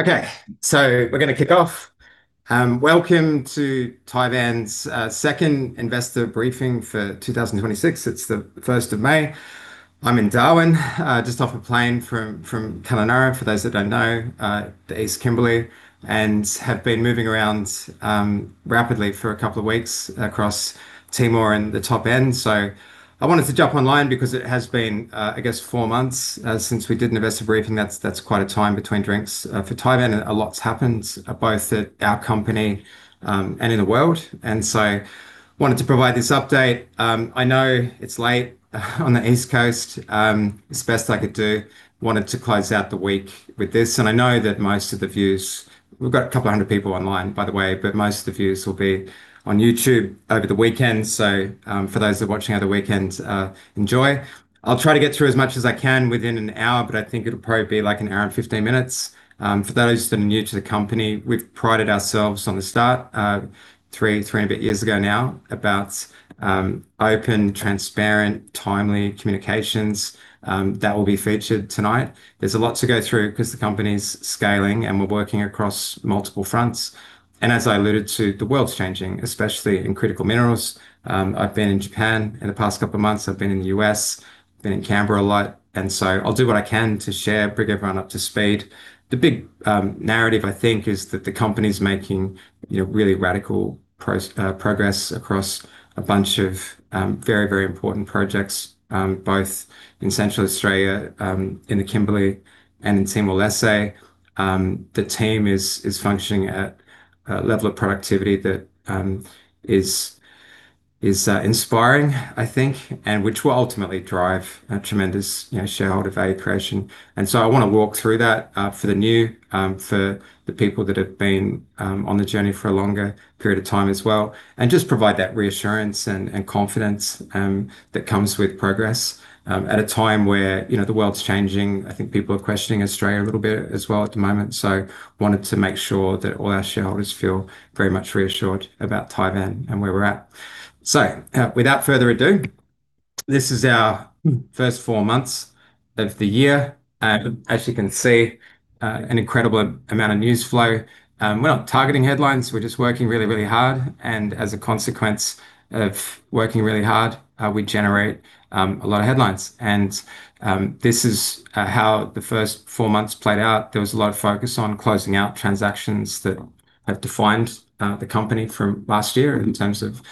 Okay, we're gonna kick off. Welcome to Tivan's second investor briefing for 2026. It's the 1st of May. I'm in Darwin, just off a plane from Kununurra, for those that don't know, the East Kimberley, and have been moving around rapidly for two weeks across Timor and the Top End. I wanted to jump online because it has been, I guess four months since we did an investor briefing. That's quite a time between drinks for Tivan and a lot's happened both at our company and in the world, and so wanted to provide this update. I know it's late on the East Coast, it's the best I could do. I wanted to close out the week with this, and I know that most of the views. We've got 200 people online, by the way. Most of the views will be on YouTube over the weekend. For those that are watching over the weekend, enjoy. I'll try to get through as much as I can within an hour, but I think it'll probably be like an hour and 15 minutes. For those that are new to the company, we've prided ourselves on the start, three and a bit years ago now, about open, transparent, timely communications. That will be featured tonight. There's a lot to go through because the company's scaling and we're working across multiple fronts, and as I alluded to, the world's changing, especially in critical minerals. I've been in Japan in the past couple of months. I've been in the U.S., been in Canberra a lot, and so I'll do what I can to share, bring everyone up to speed. The big narrative I think is that the company's making, you know, really radical progress across a bunch of very, very important projects, both in Central Australia, in the Kimberley and in Timor-Leste. The team is functioning at a level of productivity that is inspiring, I think, and which will ultimately drive tremendous, you know, shareholder value creation. I want to walk through that for the new, for the people that have been on the journey for a longer period of time as well, and just provide that reassurance and confidence that comes with progress at a time where, you know, the world's changing. I think people are questioning Australia a little bit as well at the moment, so wanted to make sure that all our shareholders feel very much reassured about Tivan and where we're at. Without further ado, this is our first four months of the year. As you can see, an incredible amount of news flow. We're not targeting headlines. We're just working really, really hard, and as a consequence of working really hard, we generate a lot of headlines. This is how the first four months played out. There was a lot of focus on closing out transactions that have defined the company from last year in terms of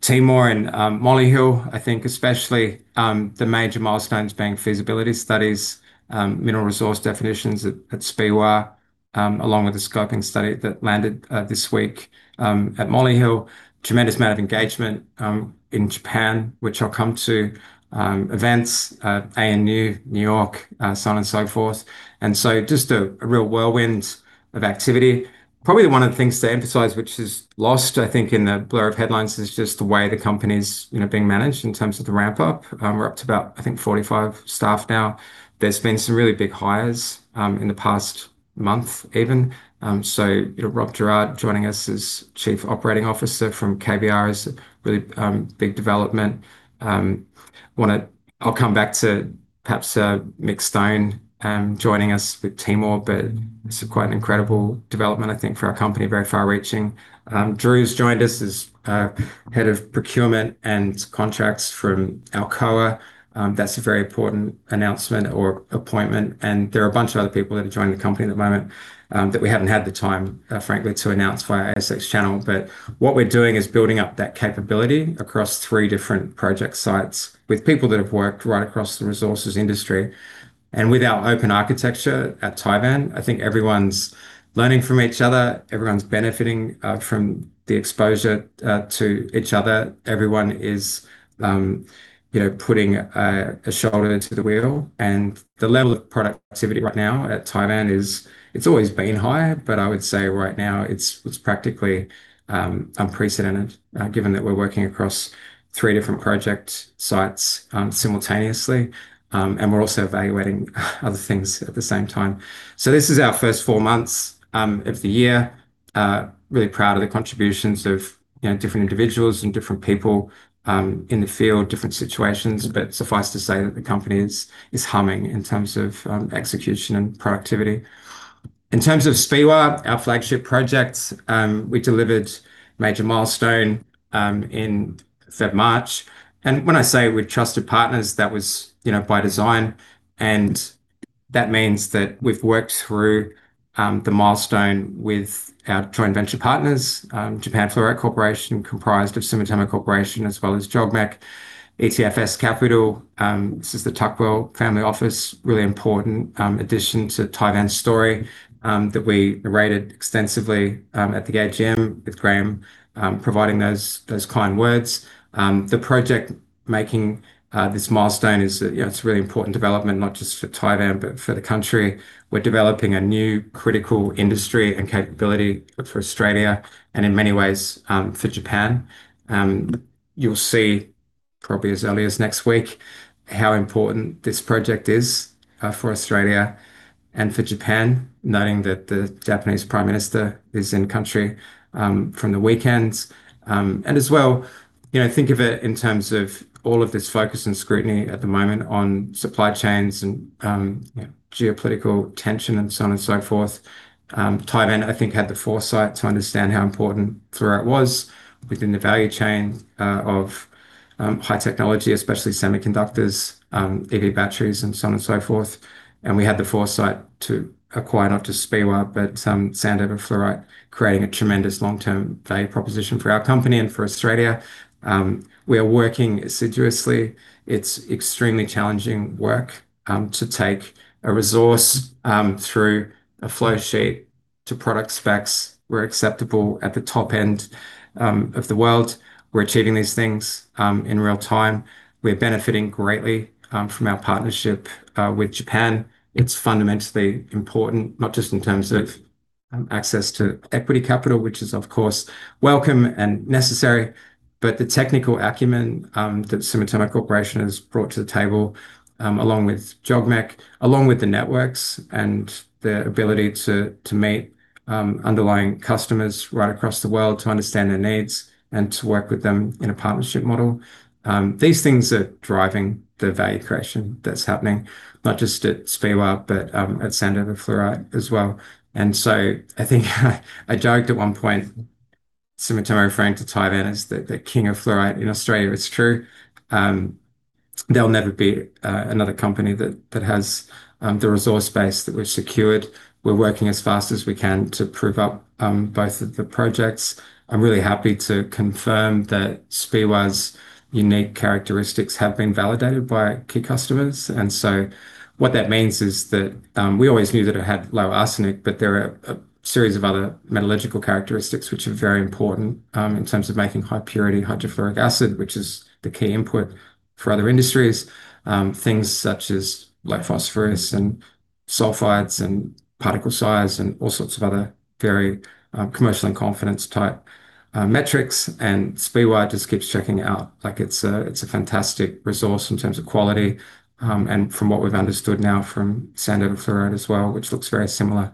Timor-Leste and Molly Hill. I think especially, the major milestones being feasibility studies, mineral resource definitions at Speewah, along with the scoping study that landed this week, at Molly Hill. Tremendous amount of engagement in Japan, which I'll come to. Events, ANU, New York, so on and so forth. Just a real whirlwind of activity. Probably one of the things to emphasize which is lost, I think, in the blur of headlines is just the way the company's, you know, being managed in terms of the ramp up. We're up to about, I think 45 staff now. There's been some really big hires in the past month even. You know, Robert Gerrard joining us as Chief Operating Officer from KBR is a really big development. I'll come back to perhaps Mick Stone joining us with Timor, it's quite an incredible development, I think, for our company, very far reaching. Drew's joined us as head of procurement and contracts from Alcoa. That's a very important announcement or appointment, and there are a bunch of other people that have joined the company at the moment that we haven't had the time, frankly, to announce via our ASX channel. What we're doing is building up that capability across three different project sites with people that have worked right across the resources industry. With our open architecture at Tivan, I think everyone's learning from each other. Everyone's benefiting from the exposure to each other. Everyone is, you know, putting a shoulder to the wheel. The level of productivity right now at Tivan is. It's always been high, but I would say right now it's practically unprecedented, given that we're working across three different project sites simultaneously. We're also evaluating other things at the same time. This is our first four months of the year. Really proud of the contributions of, you know, different individuals and different people in the field, different situations. Suffice to say that the company is humming in terms of execution and productivity. In terms of Speewah, our flagship project, we delivered major milestone in March. When I say with trusted partners, that was, you know, by design, that means that we've worked through the milestone with our joint venture partners, Japan Fluorite Corporation, comprised of Sumitomo Corporation as well as JOGMEC. ETFS Capital, this is the Tuckwell family office, really important addition to Tivan's story that we narrated extensively at the AGM with Graham, providing those kind words. The project making this milestone is, you know, it's a really important development, not just for Tivan but for the country. We're developing a new critical industry and capability for Australia and in many ways, for Japan. Probably as early as next week. How important this project is for Australia and for Japan, noting that the Japanese Prime Minister is in country from the weekends. As well, you know, think of it in terms of all of this focus and scrutiny at the moment on supply chains and, you know, geopolitical tension and so on and so forth. Tivan I think had the foresight to understand how important fluorite was within the value chain of high technology, especially semiconductors, EV batteries and so on and so forth. We had the foresight to acquire not just Speewah but Sandover Fluorite, creating a tremendous long-term value proposition for our company and for Australia. We are working assiduously. It's extremely challenging work to take a resource through a flow sheet to product specs. We're acceptable at the top end of the world. We're achieving these things in real time. We're benefiting greatly from our partnership with Japan. It's fundamentally important, not just in terms of access to equity capital, which is, of course, welcome and necessary, but the technical acumen that Sumitomo Corporation has brought to the table, along with JOGMEC, along with the networks and the ability to meet underlying customers right across the world to understand their needs and to work with them in a partnership model. These things are driving the value creation that's happening, not just at Speewah but at Sandover Fluorite as well. I think I joked at one point, Sumitomo referring to Tivan as the king of fluorite in Australia. It's true. There'll never be another company that has the resource base that we've secured. We're working as fast as we can to prove up both of the projects. I'm really happy to confirm that Speewah's unique characteristics have been validated by key customers. What that means is that we always knew that it had low arsenic, but there are a series of other metallurgical characteristics which are very important in terms of making high purity hydrofluoric acid, which is the key input for other industries. Things such as like phosphorus and sulfides and particle size and all sorts of other very commercial in confidence type metrics. Speewah just keeps checking out. Like it's a fantastic resource in terms of quality. From what we've understood now from Sandover Fluorite as well, which looks very similar,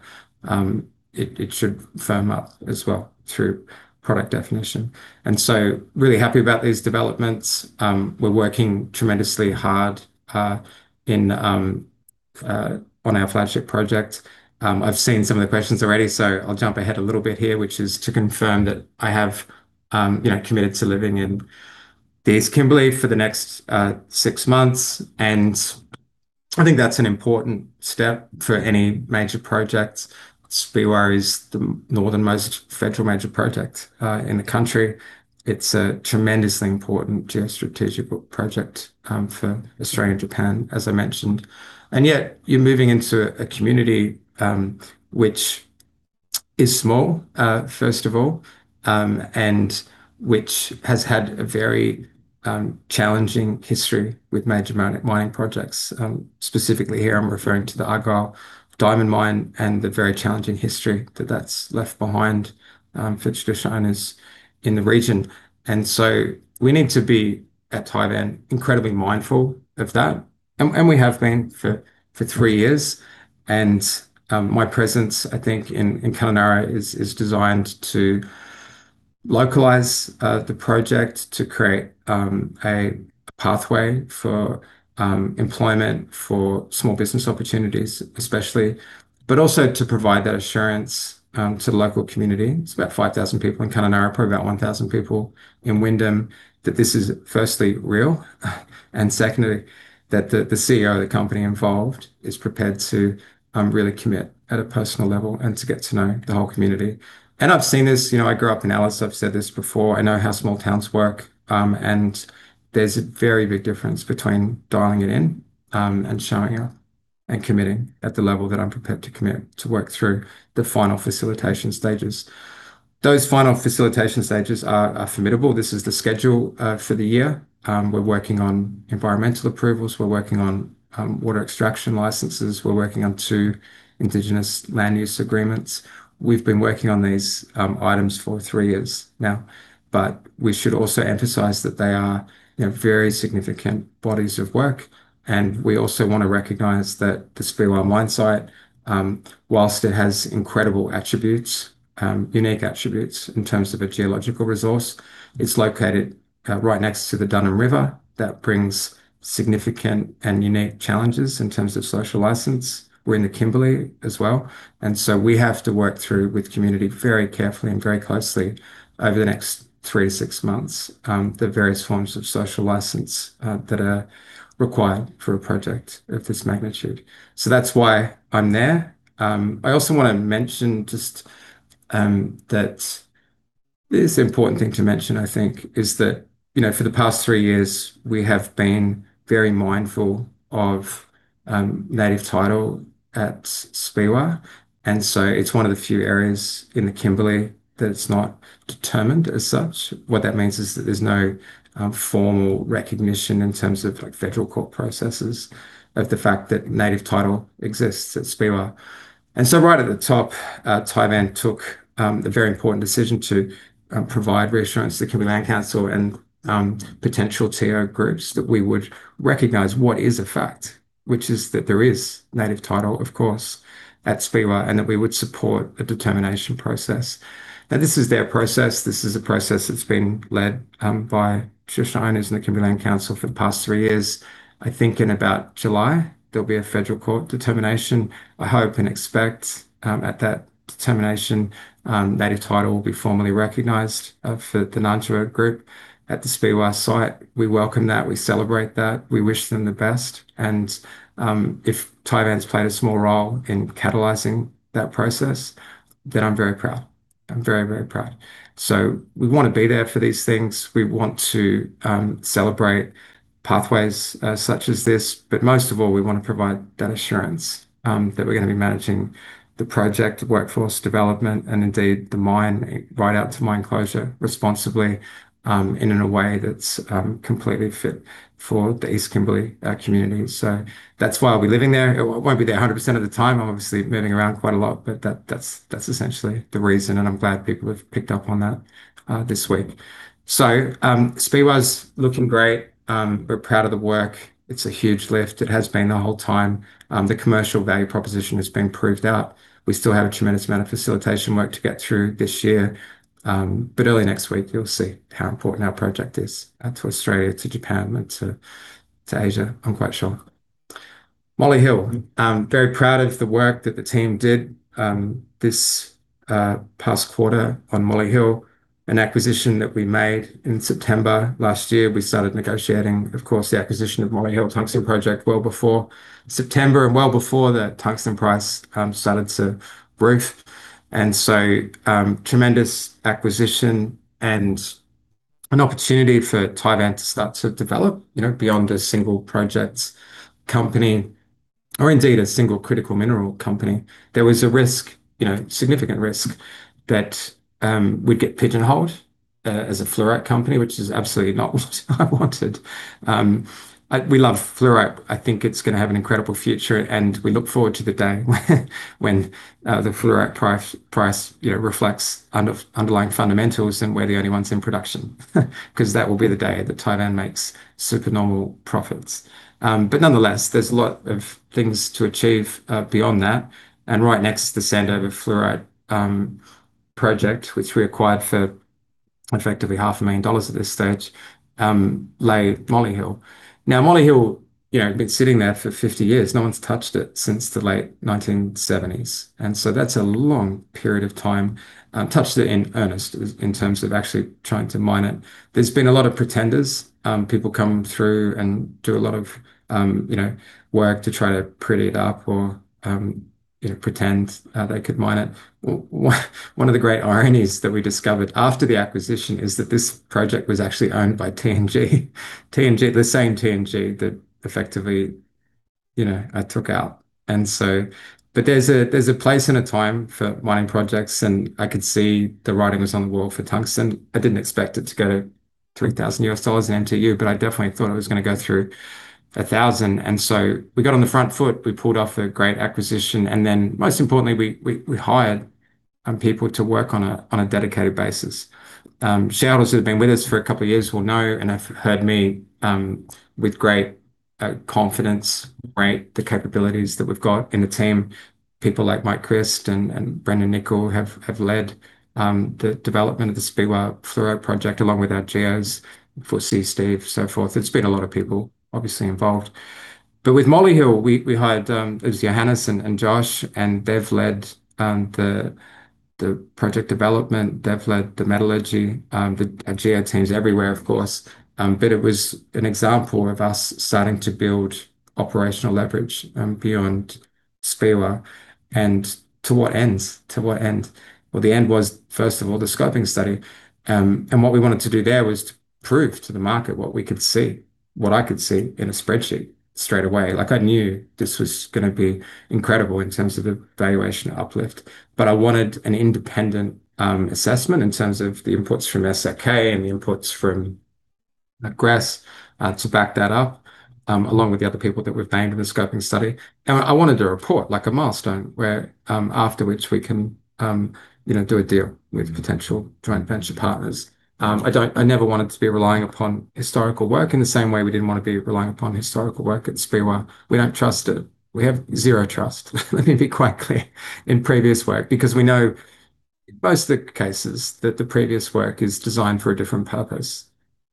it should firm up as well through product definition. Really happy about these developments. We're working tremendously hard in on our flagship project. I've seen some of the questions already, so I'll jump ahead a little bit here, which is to confirm that I have, you know, committed to living in the East Kimberley for the next six months. I think that's an important step for any major project. Speewah is the northern-most federal major project in the country. It's a tremendously important geostrategic project for Australia and Japan, as I mentioned. Yet you're moving into a community, which is small, first of all, and which has had a very challenging history with major mining projects. Specifically here I'm referring to the Argyle Diamond Mine and the very challenging history that that's left behind for traditional owners in the region. We need to be at Tivan incredibly mindful of that. We have been for three years. My presence, I think in Kununurra is designed to localize the project to create a pathway for employment, for small business opportunities especially. Also to provide that assurance to the local community. It's about 5,000 people in Kununurra, probably about 1,000 people in Wyndham, that this is firstly real, and secondly, that the CEO of the company involved is prepared to really commit at a personal level and to get to know the whole community. I've seen this. You know, I grew up in Alice, I've said this before. I know how small towns work. There's a very big difference between dialing it in and showing up and committing at the level that I'm prepared to commit to work through the final facilitation stages. Those final facilitation stages are formidable. This is the schedule for the year. We're working on environmental approvals. We're working on water extraction licenses. We're working on two Indigenous Land Use Agreements. We've been working on these items for three years now. We should also emphasize that they are, you know, very significant bodies of work. We also wanna recognize that the Speewah mine site, whilst it has incredible attributes, unique attributes in terms of a geological resource, it's located right next to the Dunham River. That brings significant and unique challenges in terms of social license. We're in the Kimberley as well, and so we have to work through with community very carefully and very closely over the next three to six months, the various forms of social license that are required for a project of this magnitude. That's why I'm there. I also want to mention just, this important thing to mention, I think, is that, you know, for the past three years we have been very mindful of native title at Speewah, and so it's one of the few areas in the Kimberley that's not determined as such. What that means is that there's no formal recognition in terms of like Federal Court processes of the fact that native title exists at Speewah. Right at the top, Tivan took the very important decision to provide reassurance to the Kimberley Land Council and potential TO groups that we would recognize what is a fact, which is that there is native title, of course, at Speewah, and that we would support a determination process. This is their process. This is a process that's been led by traditional owners and the Kimberley Land Council for the past three years. I think in about July there'll be a federal court determination. I hope and expect at that determination, native title will be formally recognized for the Nganjuwarr group at the Speewah site. We welcome that. We celebrate that. We wish them the best. If Tivan's played a small role in catalyzing that process, then I'm very proud. I'm very, very proud. We wanna be there for these things. We want to celebrate pathways such as this. Most of all, we want to provide that assurance that we're gonna be managing the project workforce development and indeed the mine right out to mine closure responsibly and in a way that's completely fit for the East Kimberley community. That's why I'll be living there. I won't be there 100% of the time. I'm obviously moving around quite a lot, but that's essentially the reason, and I'm glad people have picked up on that this week. Speewah's looking great. We're proud of the work. It's a huge lift. It has been the whole time. The commercial value proposition has been proved out. We still have a tremendous amount of facilitation work to get through this year. Early next week you'll see how important our project is to Australia, to Japan, and to Asia, I'm quite sure. Molly Hill. Very proud of the work that the team did this past quarter on Molly Hill. An acquisition that we made in September last year. We started negotiating, of course, the acquisition of Molly Hill Tungsten Project well before September and well before the tungsten price started to roof. Tremendous acquisition and an opportunity for Tivan to start to develop, you know, beyond a single projects company or indeed a single critical mineral company. There was a risk, you know, significant risk that we'd get pigeonholed as a fluorite company, which is absolutely not what I wanted. We love fluorite. I think it's gonna have an incredible future, and we look forward to the day when the fluorite price, you know, reflects underlying fundamentals and we're the only ones in production. 'Cause that will be the day that Tivan makes super normal profits. Nonetheless, there's a lot of things to achieve beyond that. Right next to the Sandover Fluorite project, which we acquired for effectively half a million dollars at this stage, lay Molly Hill. Now, Molly Hill, you know, had been sitting there for 50 years. No one's touched it since the late 1970s, that's a long period of time, touched it in earnest in terms of actually trying to mine it. There's been a lot of pretenders. People come through and do a lot of, you know, work to try to pretty it up or, you know, pretend how they could mine it. One of the great ironies that we discovered after the acquisition is that this project was actually owned by TNG. TNG, the same TNG that effectively, you know, I took out. There's a, there's a place and a time for mining projects, and I could see the writing was on the wall for tungsten. I didn't expect it to go $3,000 an MTU, but I definitely thought it was gonna go through 1,000. We got on the front foot. We pulled off a great acquisition, then most importantly, we, we hired people to work on a, on a dedicated basis. Shareholders who have been with us for a couple of years will know and have heard me with great confidence rate the capabilities that we've got in the team. People like Michael Christ and Brendon Nicol have led the development of the Speewah Fluorite project along with our geos for Stephen Walsh, so forth. It's been a lot of people obviously involved. With Molly Hill, we hired, it was Johannes and Josh, and they've led the project development. They've led the metallurgy. Our geo team's everywhere, of course. It was an example of us starting to build operational leverage beyond Speewah. To what ends? To what ends? The end was, first of all, the scoping study. What we wanted to do there was to prove to the market what we could see, what I could see in a spreadsheet straight away. Like I knew this was going to be incredible in terms of the valuation uplift, but I wanted an independent assessment in terms of the inputs from SRK and the inputs from Gres to back that up along with the other people that we've named in the scoping study. I wanted a report, like a milestone, where, after which we can, you know, do a deal with potential joint venture partners. I never wanted to be relying upon historical work in the same way we didn't want to be relying upon historical work at Speewah. We don't trust it. We have zero trust, let me be quite clear, in previous work because we know most of the cases that the previous work is designed for a different purpose.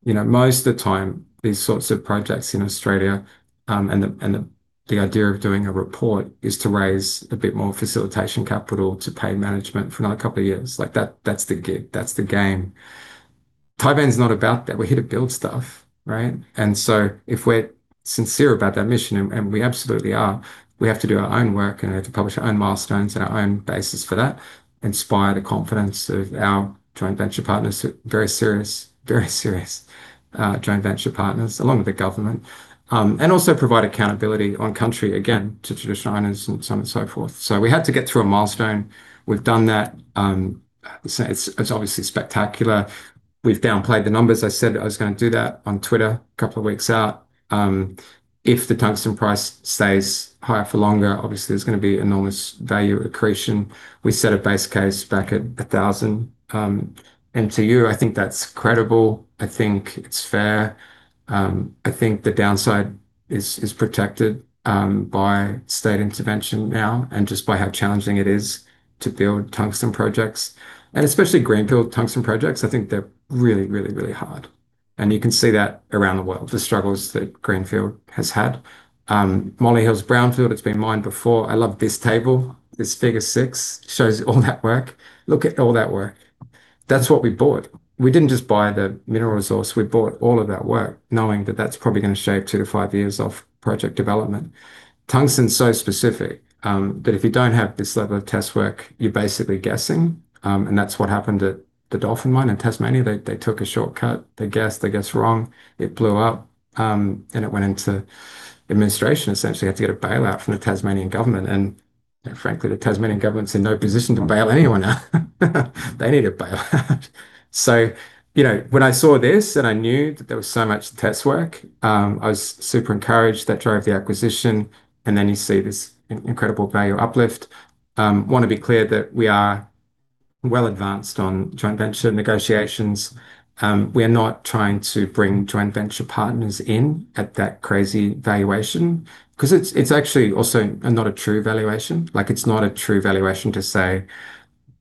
You know, most of the time these sorts of projects in Australia, and the idea of doing a report is to raise a bit more facilitation capital to pay management for another couple of years. Like that's the game. Tivan's not about that. We're here to build stuff, right? If we're sincere about that mission, and we absolutely are, we have to do our own work and we have to publish our own milestones and our own basis for that. Inspire the confidence of our joint venture partners who are very serious joint venture partners, along with the government. Also provide accountability on country, again, to traditional owners and so on and so forth. We had to get through a milestone. We've done that. It's obviously spectacular. We've downplayed the numbers. I said I was gonna do that on Twitter a couple of weeks out. If the tungsten price stays high for longer, obviously there's gonna be enormous value accretion. We set a base case back at $1,000. To you, I think that's credible. I think it's fair. I think the downside is protected by state intervention now and just by how challenging it is to build tungsten projects, and especially greenfield tungsten projects, I think they're really, really, really hard. You can see that around the world, the struggles that greenfield has had. Molly Hill's brownfield, it's been mined before. I love this table. This figure six shows all that work. Look at all that work. That's what we bought. We didn't just buy the mineral resource. We bought all of that work knowing that that's probably gonna shave two to five years off project development. Tungsten's so specific that if you don't have this level of test work, you're basically guessing. That's what happened at the Dolphin Tungsten Mine in Tasmania. They took a shortcut. They guessed. They guessed wrong. It blew up, and it went into administration, essentially. They had to get a bailout from the Tasmanian government and, you know, frankly, the Tasmanian government's in no position to bail anyone out. They need a bailout. You know, when I saw this and I knew that there was so much test work, I was super encouraged. That drove the acquisition and then you see this incredible value uplift. I want to be clear that we are well advanced on joint venture negotiations. We are not trying to bring joint venture partners in at that crazy valuation because it's actually also not a true valuation. Like, it's not a true valuation to say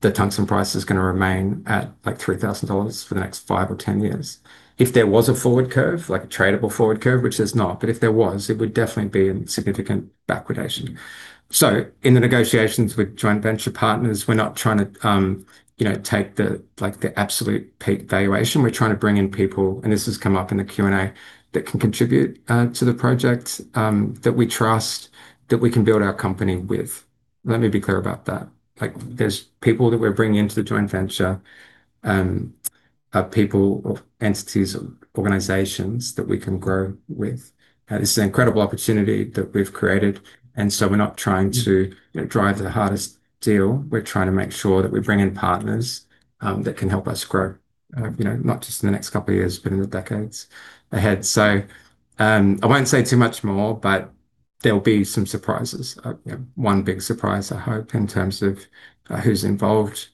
the tungsten price is gonna remain at like 3,000 dollars for the next five to ten years. If there was a forward curve, like a tradable forward curve, which there's not, but if there was, it would definitely be a significant backwardation. In the negotiations with joint venture partners, we're not trying to, you know, take the, like, the absolute peak valuation. We're trying to bring in people, and this has come up in the Q&A, that can contribute to the project that we trust, that we can build our company with. Let me be clear about that. Like, there's people that we're bringing into the joint venture are people or entities or organizations that we can grow with. This is an incredible opportunity that we've created. We're not trying to, you know, drive the hardest deal. We're trying to make sure that we bring in partners that can help us grow. You know, not just in the next couple of years, but in the decades ahead. I won't say too much more, but there'll be some surprises. You know, one big surprise, I hope, in terms of who's involved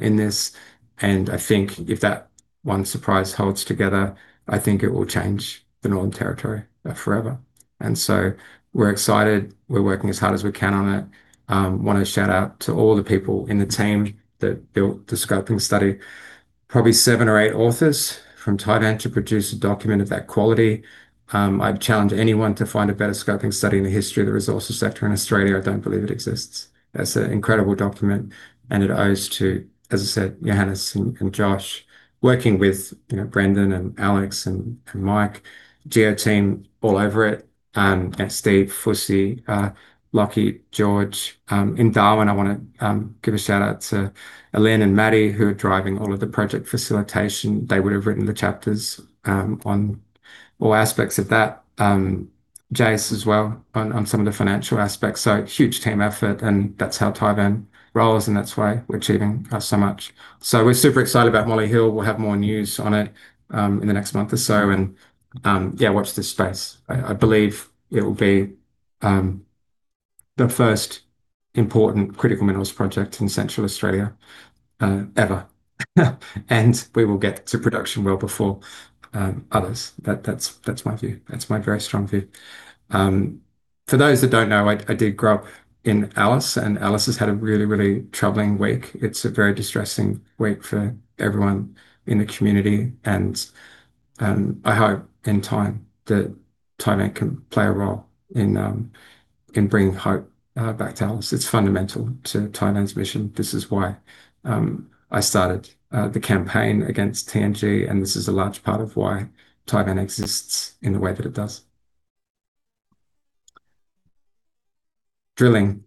in this. I think if that one surprise holds together, I think it will change the Northern Territory forever. We're excited. We're working as hard as we can on it. Want to shout out to all the people in the team that built the scoping study. Probably seven or eight authors from Tivan to produce a document of that quality. I'd challenge anyone to find a better scoping study in the history of the resources sector in Australia. I don't believe it exists. That's an incredible document and it owes to, as I said, Johannes and Josh working with, you know, Brendon and Alex and Michael. Geo team all over it. Yeah, Stephen, Michael Fuss, Lockie, George. In Darwin, I wanna give a shout-out to Elaine and Maddie who are driving all of the project facilitation. They would have written the chapters on all aspects of that. Jace as well on some of the financial aspects. Huge team effort and that's how Tivan rolls and that's why we're achieving so much. We're super excited about Molly Hill. We'll have more news on it in the next month or so and, yeah, watch this space. I believe it will be the first important critical minerals project in Central Australia ever. We will get to production well before others. That's my view. That's my very strong view. For those that don't know, I did grow up in Alice, and Alice has had a troubling week. It's a very distressing week for everyone in the community. I hope in time that Tivan can play a role in bringing hope back to Alice. It's fundamental to Tivan's mission. This is why I started the campaign against TNG and this is a large part of why Tivan exists in the way that it does. Drilling.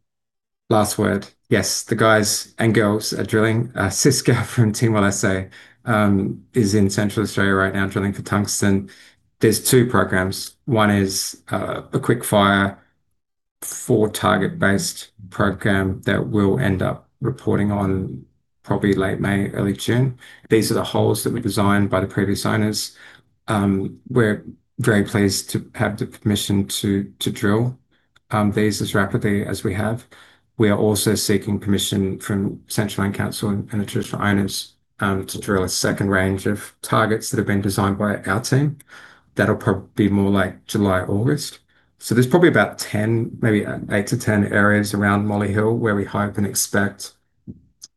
Last word. Yes. The guys and girls are drilling. Cisco from Team USA is in Central Australia right now drilling for tungsten. There's two programs. One is a quick-fire, four target-based program that we'll end up reporting on probably late May, early June. These are the holes that were designed by the previous owners. We're very pleased to have the permission to drill these as rapidly as we have. We are also seeking permission from Central Land Council and the traditional owners to drill a second range of targets that have been designed by our team. That'll probably be more like July, August. There's probably about 10, maybe eight to ten areas around Molly Hill where we hope and expect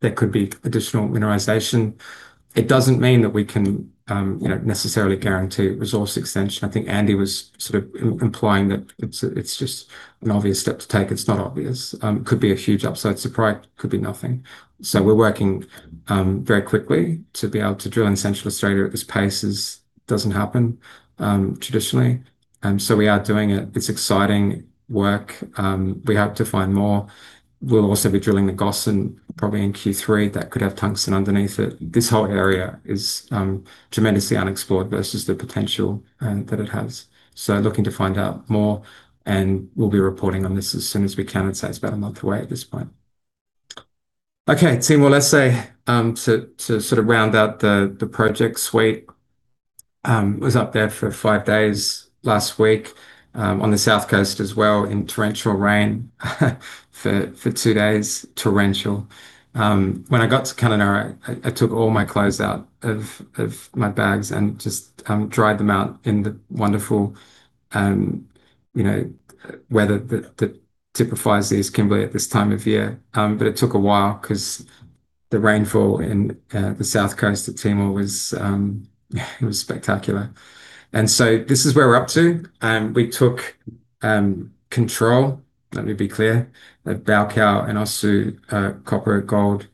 there could be additional mineralization. It doesn't mean that we can, you know, necessarily guarantee resource extension. I think Andy was sort of implying that it's just an obvious step to take. It's not obvious. Could be a huge upside surprise, could be nothing. We're working very quickly to be able to drill in Central Australia at this pace is, doesn't happen traditionally. We are doing it. It's exciting work. We hope to find more. We'll also be drilling the Gossan probably in Q3 that could have tungsten underneath it. This whole area is tremendously unexplored versus the potential that it has. Looking to find out more, and we'll be reporting on this as soon as we can. I'd say it's about 1 month away at this point. Okay. Timor-Leste, to sort of round out the project suite. Was up there fo rfive days last week, on the South Coast as well in torrential rain for two days. Torrential. When I got to Kununurra, I took all my clothes out of my bags and just dried them out in the wonderful, you know, weather that typifies the East Kimberley at this time of year. But it took a while 'cause the rainfall in the South Coast of Timor-Leste was spectacular. This is where we're up to. We took control, let me be clear, of Baucau and Oecusse copper gold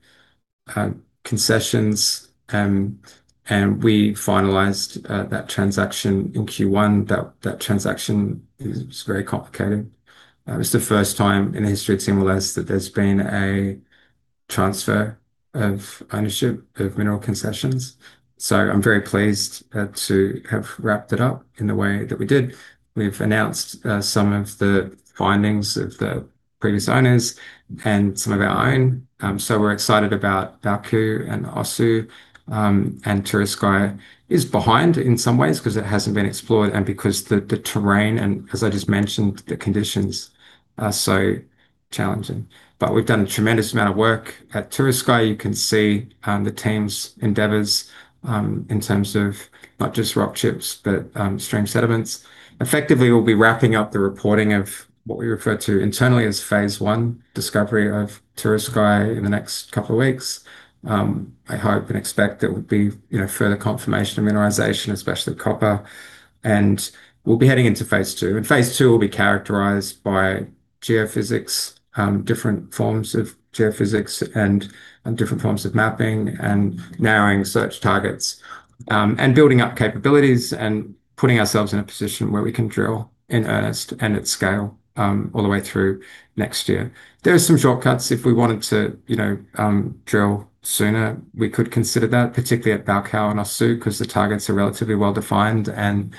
concessions. We finalized that transaction in Q1. That transaction was very complicated. It was the first time in the history of Timor-Leste that there's been a transfer of ownership of mineral concessions. I'm very pleased to have wrapped it up in the way that we did. We've announced some of the findings of the previous owners and some of our own. We're excited about Baucau and Oecusse. Turiscai is behind in some ways 'cause it hasn't been explored and because the terrain and as I just mentioned, the conditions are so challenging. We've done a tremendous amount of work at Turiscai. You can see the team's endeavors in terms of not just rock chips, but stream sediments. Effectively, we'll be wrapping up the reporting of what we refer to internally as phase I discovery of Turiscai in the next couple of weeks. I hope and expect there will be, you know, further confirmation of mineralization, especially with copper, and we'll be heading into phase II. Phase II will be characterized by geophysics, different forms of geophysics and different forms of mapping and narrowing search targets, and building up capabilities and putting ourselves in a position where we can drill in earnest and at scale, all the way through next year. There are some shortcuts if we wanted to, you know, drill sooner, we could consider that, particularly at Baucau and Oecusse 'cause the targets are relatively well-defined and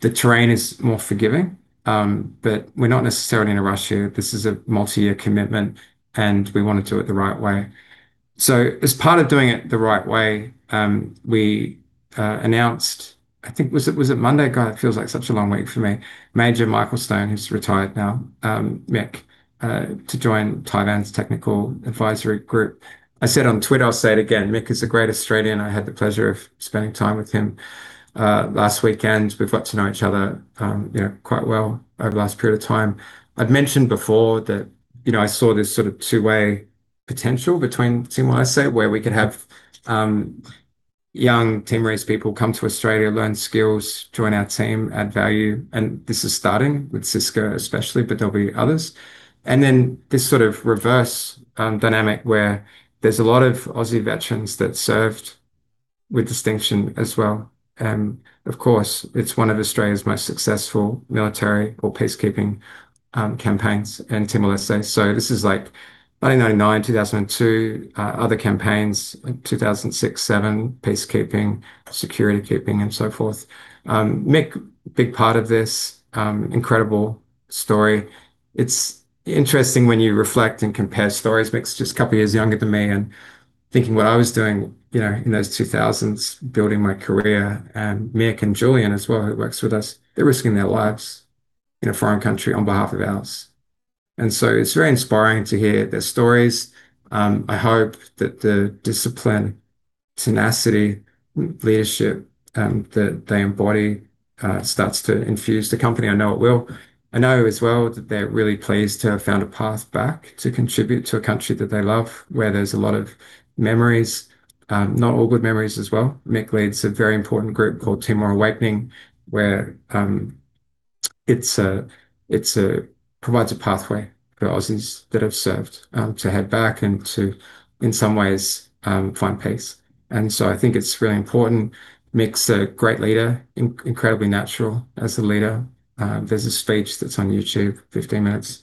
the terrain is more forgiving. We're not necessarily in a rush here. This is a multi-year commitment, and we want to do it the right way. As part of doing it the right way, we announced, I think, was it Monday? God, it feels like such a long week for me. Major Michael Stone, who's retired now, Mick, to join Tivan's technical advisory group. I said on Twitter, I'll say it again, Mick is a great Australian. I had the pleasure of spending time with him last weekend. We've got to know each other, you know, quite well over the last period of time. I'd mentioned before that, you know, I saw this sort of two-way potential between Timor-Leste, where we could have young Timorese people come to Australia, learn skills, join our team, add value, and this is starting with Cisco especially, but there'll be others. Then this sort of reverse dynamic where there's a lot of Aussie veterans that served with distinction as well. Of course, it's one of Australia's most successful military or peacekeeping campaigns in Timor-Leste. This is like 1999, 2002, other campaigns in 2006, 2007, peacekeeping, security keeping and so forth. Mick, big part of this incredible story. It's interesting when you reflect and compare stories. Mick's just two years younger than me and thinking what I was doing, you know, in those 2000s, building my career, and Mick and Julian as well, who works with us, they're risking their lives in a foreign country on behalf of ours. It's very inspiring to hear their stories. I hope that the discipline, tenacity, leadership, that they embody, starts to infuse the company. I know it will. I know as well that they're really pleased to have found a path back to contribute to a country that they love, where there's a lot of memories, not all good memories as well. Mick leads a very important group called Timor Awakening, where it provides a pathway for Aussies that have served to head back and to, in some ways, find peace. I think it's really important. Mick's a great leader, incredibly natural as a leader. There's a speech that's on YouTube, 15 minutes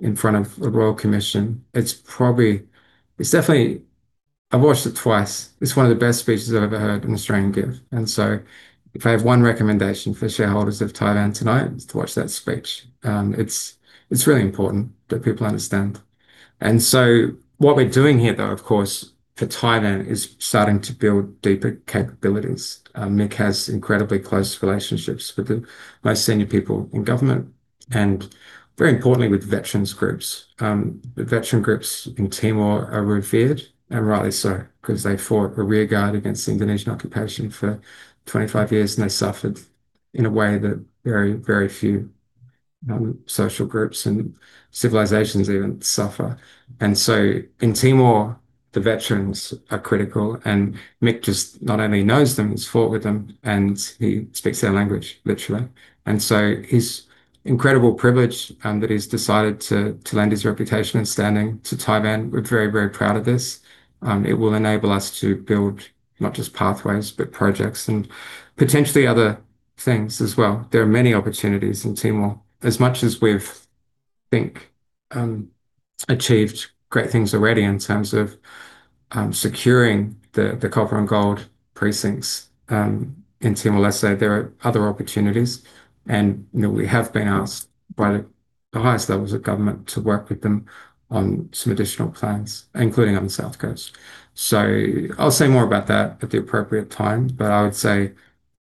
in front of a royal commission. It's definitely. I've watched it twice. It's one of the best speeches I've ever heard an Australian give. If I have one recommendation for shareholders of Tivan tonight is to watch that speech. It's really important that people understand. What we're doing here though, of course, for Tivan is starting to build deeper capabilities. Mick has incredibly close relationships with the most senior people in government and very importantly, with veterans groups. The veteran groups in Timor are revered, and rightly so, 'cause they fought a rearguard against the Indonesian occupation for 25 years, and they suffered in a way that very few social groups and civilizations even suffer. In Timor, the veterans are critical, and Mick just not only knows them, he's fought with them, and he speaks their language literally. His incredible privilege that he's decided to lend his reputation and standing to Tivan, we're very proud of this. It will enable us to build not just pathways, but projects and potentially other things as well. There are many opportunities in Timor. As much as we've achieved great things already in terms of securing the copper and gold precincts in Timor-Leste, there are other opportunities and, you know, we have been asked by the highest levels of government to work with them on some additional plans, including on the South Coast. I'll say more about that at the appropriate time, but I would say,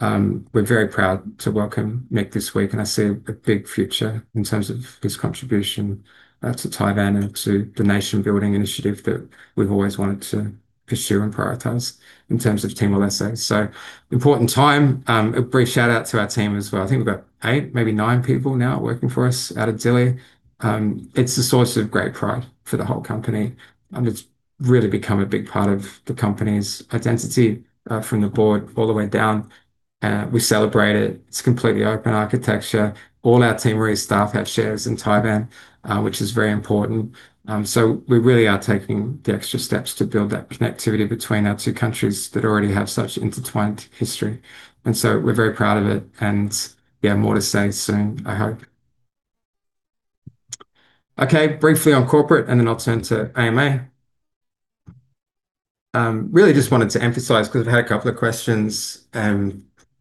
we're very proud to welcome Mick this week, and I see a big future in terms of his contribution to Tivan and to the nation-building initiative that we've always wanted to pursue and prioritize in terms of Timor-Leste. Important time. A brief shout-out to our team as well. I think we've got eight, maybe nine people now working for us out of Dili. It's a source of great pride for the whole company, and it's really become a big part of the company's identity, from the board all the way down. We celebrate it. It's completely open architecture. All our Timorese staff have shares in Tivan, which is very important. We really are taking the extra steps to build that connectivity between our two countries that already have such intertwined history. We're very proud of it and we have more to say soon, I hope. Okay. Briefly on corporate and then I'll turn to AMA. Really just wanted to emphasize because I've had a couple of questions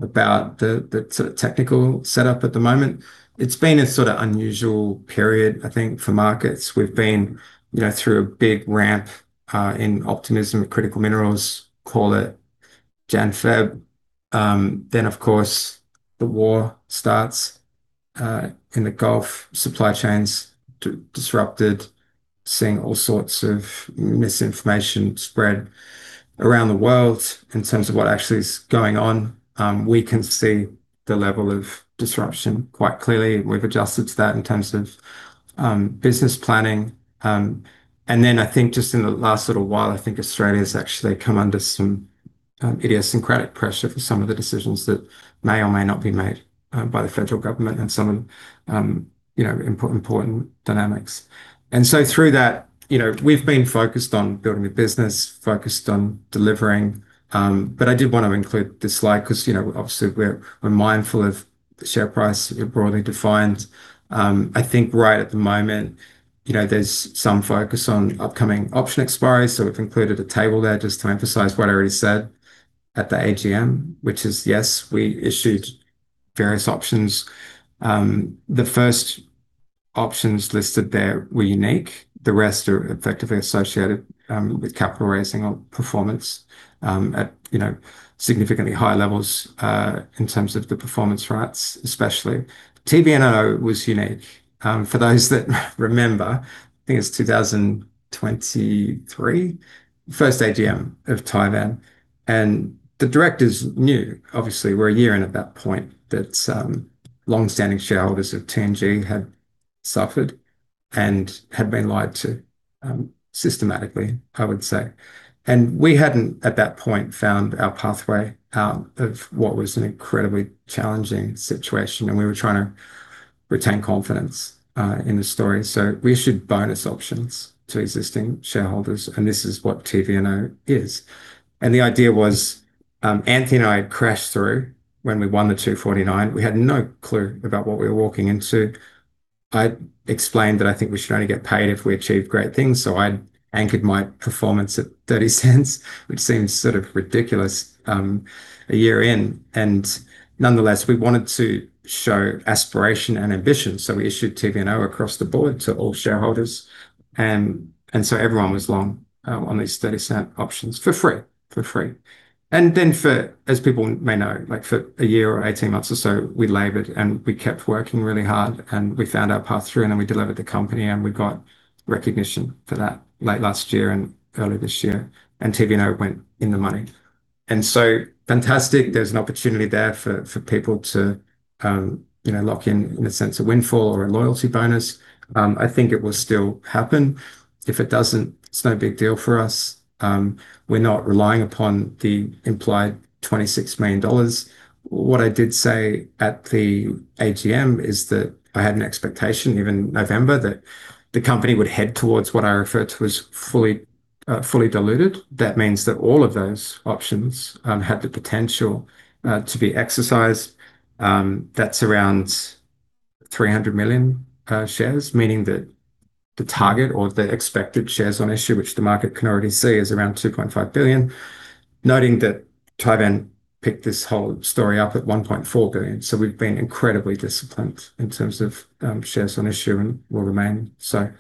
about the sort of technical setup at the moment. It's been a sort of unusual period, I think, for markets. We've been, you know, through a big ramp in optimism of critical minerals, call it January, February. Of course, the war starts in the Gulf, supply chains disrupted, seeing all sorts of misinformation spread around the world in terms of what actually is going on. We can see the level of disruption quite clearly. We've adjusted to that in terms of business planning. I think just in the last little while, I think Australia's actually come under some idiosyncratic pressure for some of the decisions that may or may not be made by the federal government and some, you know, important dynamics. Through that, you know, we've been focused on building the business, focused on delivering. I did want to include this slide because, you know, obviously we're mindful of the share price broadly defined. I think right at the moment, you know, there's some focus on upcoming option expiry. We've included a table there just to emphasize what I already said at the AGM, which is, yes, we issued various options. The first options listed there were unique. The rest are effectively associated with capital raising or performance at, you know, significantly higher levels in terms of the performance rights, especially. TVNO was unique. For those that remember, I think it's 2023, first AGM of Tivan, the directors knew, obviously we're a year in at that point, that some longstanding shareholders of TNG had suffered and had been lied to, systematically, I would say. We hadn't, at that point, found our pathway out of what was an incredibly challenging situation, and we were trying to retain confidence, in the story. We issued bonus options to existing shareholders, and this is what TVNO is. The idea was, Tony and I had crashed through when we won the 249D. We had no clue about what we were walking into. I explained that I think we should only get paid if we achieve great things. I'd anchored my performance at 0.30, which seems sort of ridiculous, a year in. Nonetheless, we wanted to show aspiration and ambition. We issued TVNO across the board to all shareholders. Everyone was long, on these 0.30 options for free. For free. Then for, as people may know, like for a year or 18 months or so, we labored and we kept working really hard and we found our path through and then we delivered the company and we got recognition for that late last year and early this year. TVNO went in the money. So fantastic. There's an opportunity there for people to, you know, lock in a sense, a windfall or a loyalty bonus. I think it will still happen. If it doesn't, it's no big deal for us. We're not relying upon the implied 26 million dollars. What I did say at the AGM is that I had an expectation even in November that the company would head towards what I refer to as fully diluted. That means that all of those options had the potential to be exercised. That's around 300 million shares, meaning that the target or the expected shares on issue, which the market can already see, is around 2.5 billion. Noting that Tivan picked this whole story up at 1.4 billion. We've been incredibly disciplined in terms of shares on issue and will remain so.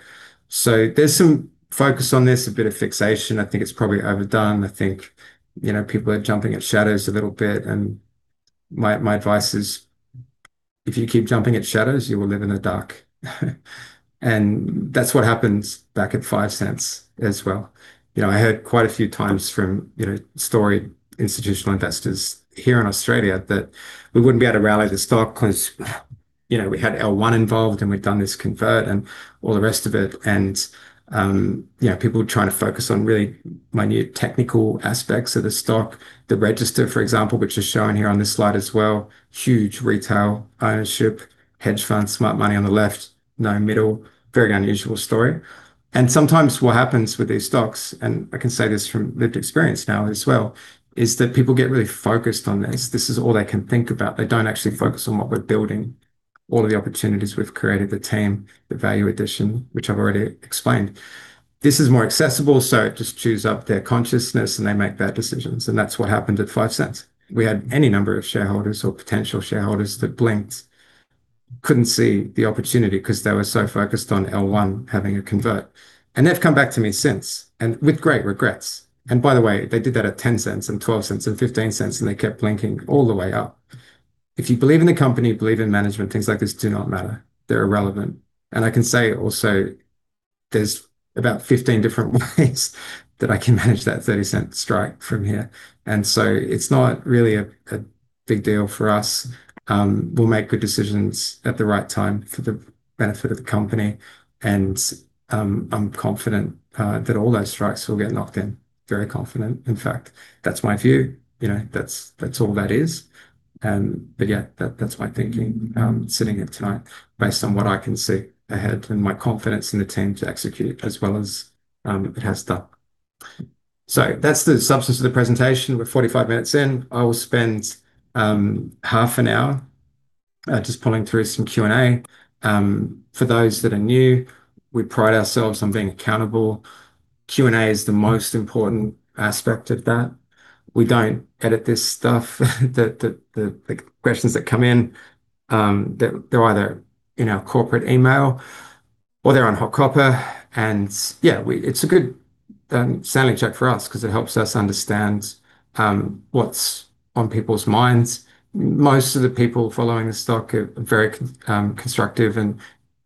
There's some focus on this, a bit of fixation. I think it's probably overdone. I think, you know, people are jumping at shadows a little bit and my advice is if you keep jumping at shadows, you will live in the dark. That's what happens back at 0.05 as well. You know, I heard quite a few times from, you know, storied institutional investors here in Australia that we wouldn't be able to rally the stock because, you know, we had L1 involved, and we'd done this convert and all the rest of it. You know, people were trying to focus on really minute technical aspects of the stock. The register, for example, which is shown here on this slide as well, huge retail ownership, hedge funds, smart money on the left, no middle, very unusual story. Sometimes what happens with these stocks, and I can say this from lived experience now as well, is that people get really focused on this. This is all they can think about. They don't actually focus on what we're building, all of the opportunities we've created, the team, the value addition, which I've already explained. This is more accessible, so it just chews up their consciousness, and they make bad decisions. That's what happened at 0.05. We had any number of shareholders or potential shareholders that blinked, couldn't see the opportunity because they were so focused on L1 having a convert. They've come back to me since and with great regrets. By the way, they did that at 0.10 and 0.12 and 0.15, and they kept blinking all the way up. If you believe in the company, believe in management, things like this do not matter. They're irrelevant. I can say also there's about 15 different ways that I can manage that 0.30 strike from here. It's not really a big deal for us. We'll make good decisions at the right time for the benefit of the company. I'm confident that all those strikes will get knocked in. Very confident, in fact. That's my view. You know, that's all that is. That's my thinking sitting here tonight based on what I can see ahead and my confidence in the team to execute as well as it has done. That's the substance of the presentation. We're 45 minutes in. I will spend half an hour just pulling through some Q&A. For those that are new, we pride ourselves on being accountable. Q&A is the most important aspect of that. We don't edit this stuff. The questions that come in, they're either in our corporate email or they're on HotCopper. It's a good sounding check for us because it helps us understand what's on people's minds. Most of the people following the stock are very constructive and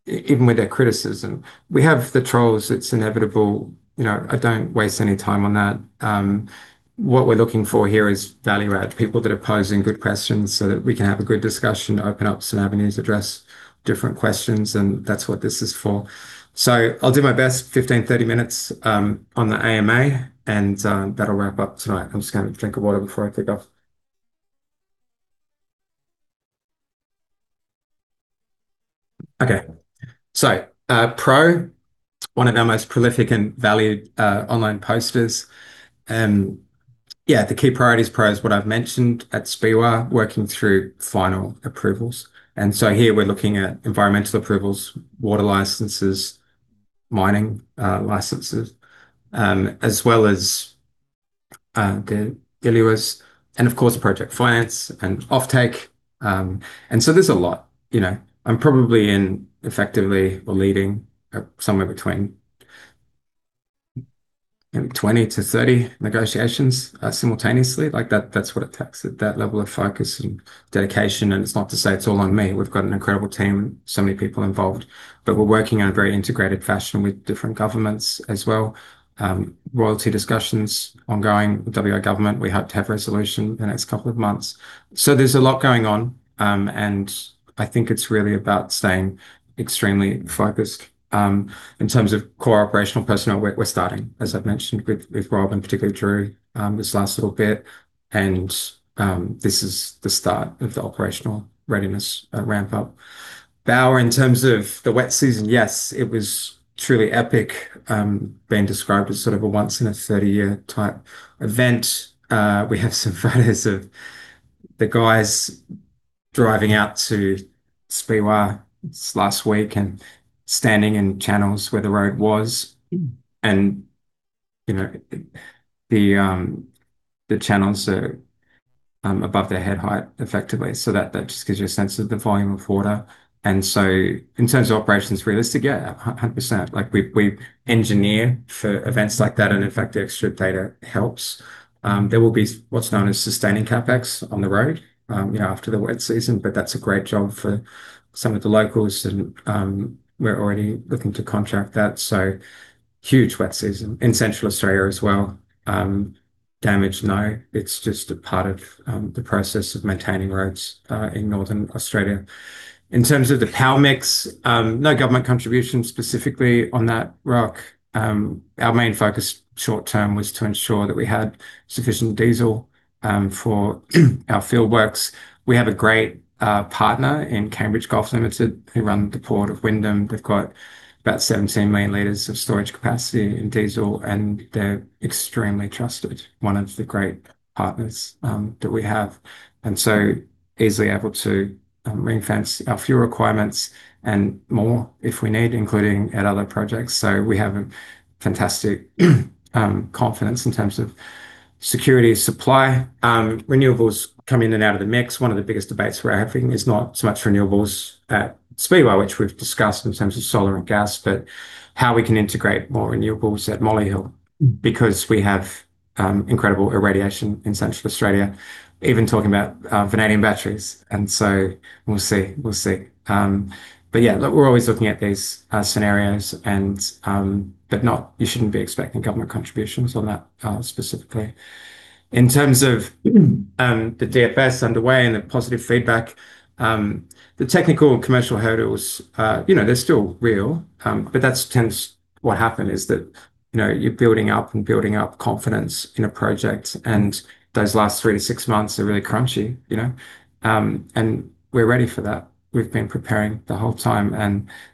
even with their criticism. We have the trolls. It's inevitable. You know, I don't waste any time on that. What we're looking for here is value add, people that are posing good questions so that we can have a good discussion, open up some avenues, address different questions, and that's what this is for. I'll do my best. 15, 30 minutes on the AMA, and that'll wrap up tonight. I'm just gonna have a drink of water before I take off. Okay. Pro, one of our most prolific and valued online posters. Yeah, the key priorities, Pro, is what I've mentioned at Speewah, working through final approvals. Here we're looking at environmental approvals, water licenses, mining licenses, as well as the DELWRs, and of course, the project finance and offtake. There's a lot. You know, I'm probably in effectively or leading somewhere between maybe 20 to 30 negotiations simultaneously. Like, that's what it takes, that level of focus and dedication. It's not to say it's all on me. We've got an incredible team, so many people involved, we're working in a very integrated fashion with different governments as well. Royalty discussions ongoing with Government of Western Australia. We hope to have resolution in the next couple of months. There's a lot going on, and I think it's really about staying extremely focused. In terms of core operational personnel, we're starting, as I've mentioned with Rob and particularly Drew, this last little bit. This is the start of the operational readiness ramp-up. Bower, in terms of the wet season, yes, it was truly epic. Been described as sort of a once-in-a-30-year type event. We have some photos of the guys driving out to Speewah this last week and standing in channels where the road was and, you know, the channels are above their head height effectively. So that just gives you a sense of the volume of water. In terms of operations realistic, 100 percent. Like, we engineer for events like that, and in fact, the extra data helps. There will be what's known as sustaining CapEx on the road, you know, after the wet season, but that's a great job for some of the locals and, we're already looking to contract that. Huge wet season in Central Australia as well. Damage? No. It's just a part of the process of maintaining roads in Northern Australia. In terms of the power mix, no government contribution specifically on that, Rock. Our main focus short term was to ensure that we had sufficient diesel for our field works. We have a great partner in Cambridge Gulf Limited, who run the Port of Wyndham. They've got about 17 million liters of storage capacity in diesel, and they're extremely trusted. One of the great partners that we have. Easily able to ring-fence our fuel requirements and more if we need, including at other projects. We have a fantastic confidence in terms of security of supply. Renewables come in and out of the mix. One of the biggest debates we're having is not so much renewables at Speewah, which we've discussed in terms of solar and gas, but how we can integrate more renewables at Molly Hill because we have incredible irradiation in Central Australia, even talking about vanadium batteries. We'll see. We'll see. But yeah, look, we're always looking at these scenarios and you shouldn't be expecting government contributions on that specifically. In terms of the DFS underway and the positive feedback, the technical and commercial hurdles, you know, they're still real. But that's. What happened is that, you know, you're building up and building up confidence in a project, and those last three to six months are really crunchy, you know? We're ready for that. We've been preparing the whole time.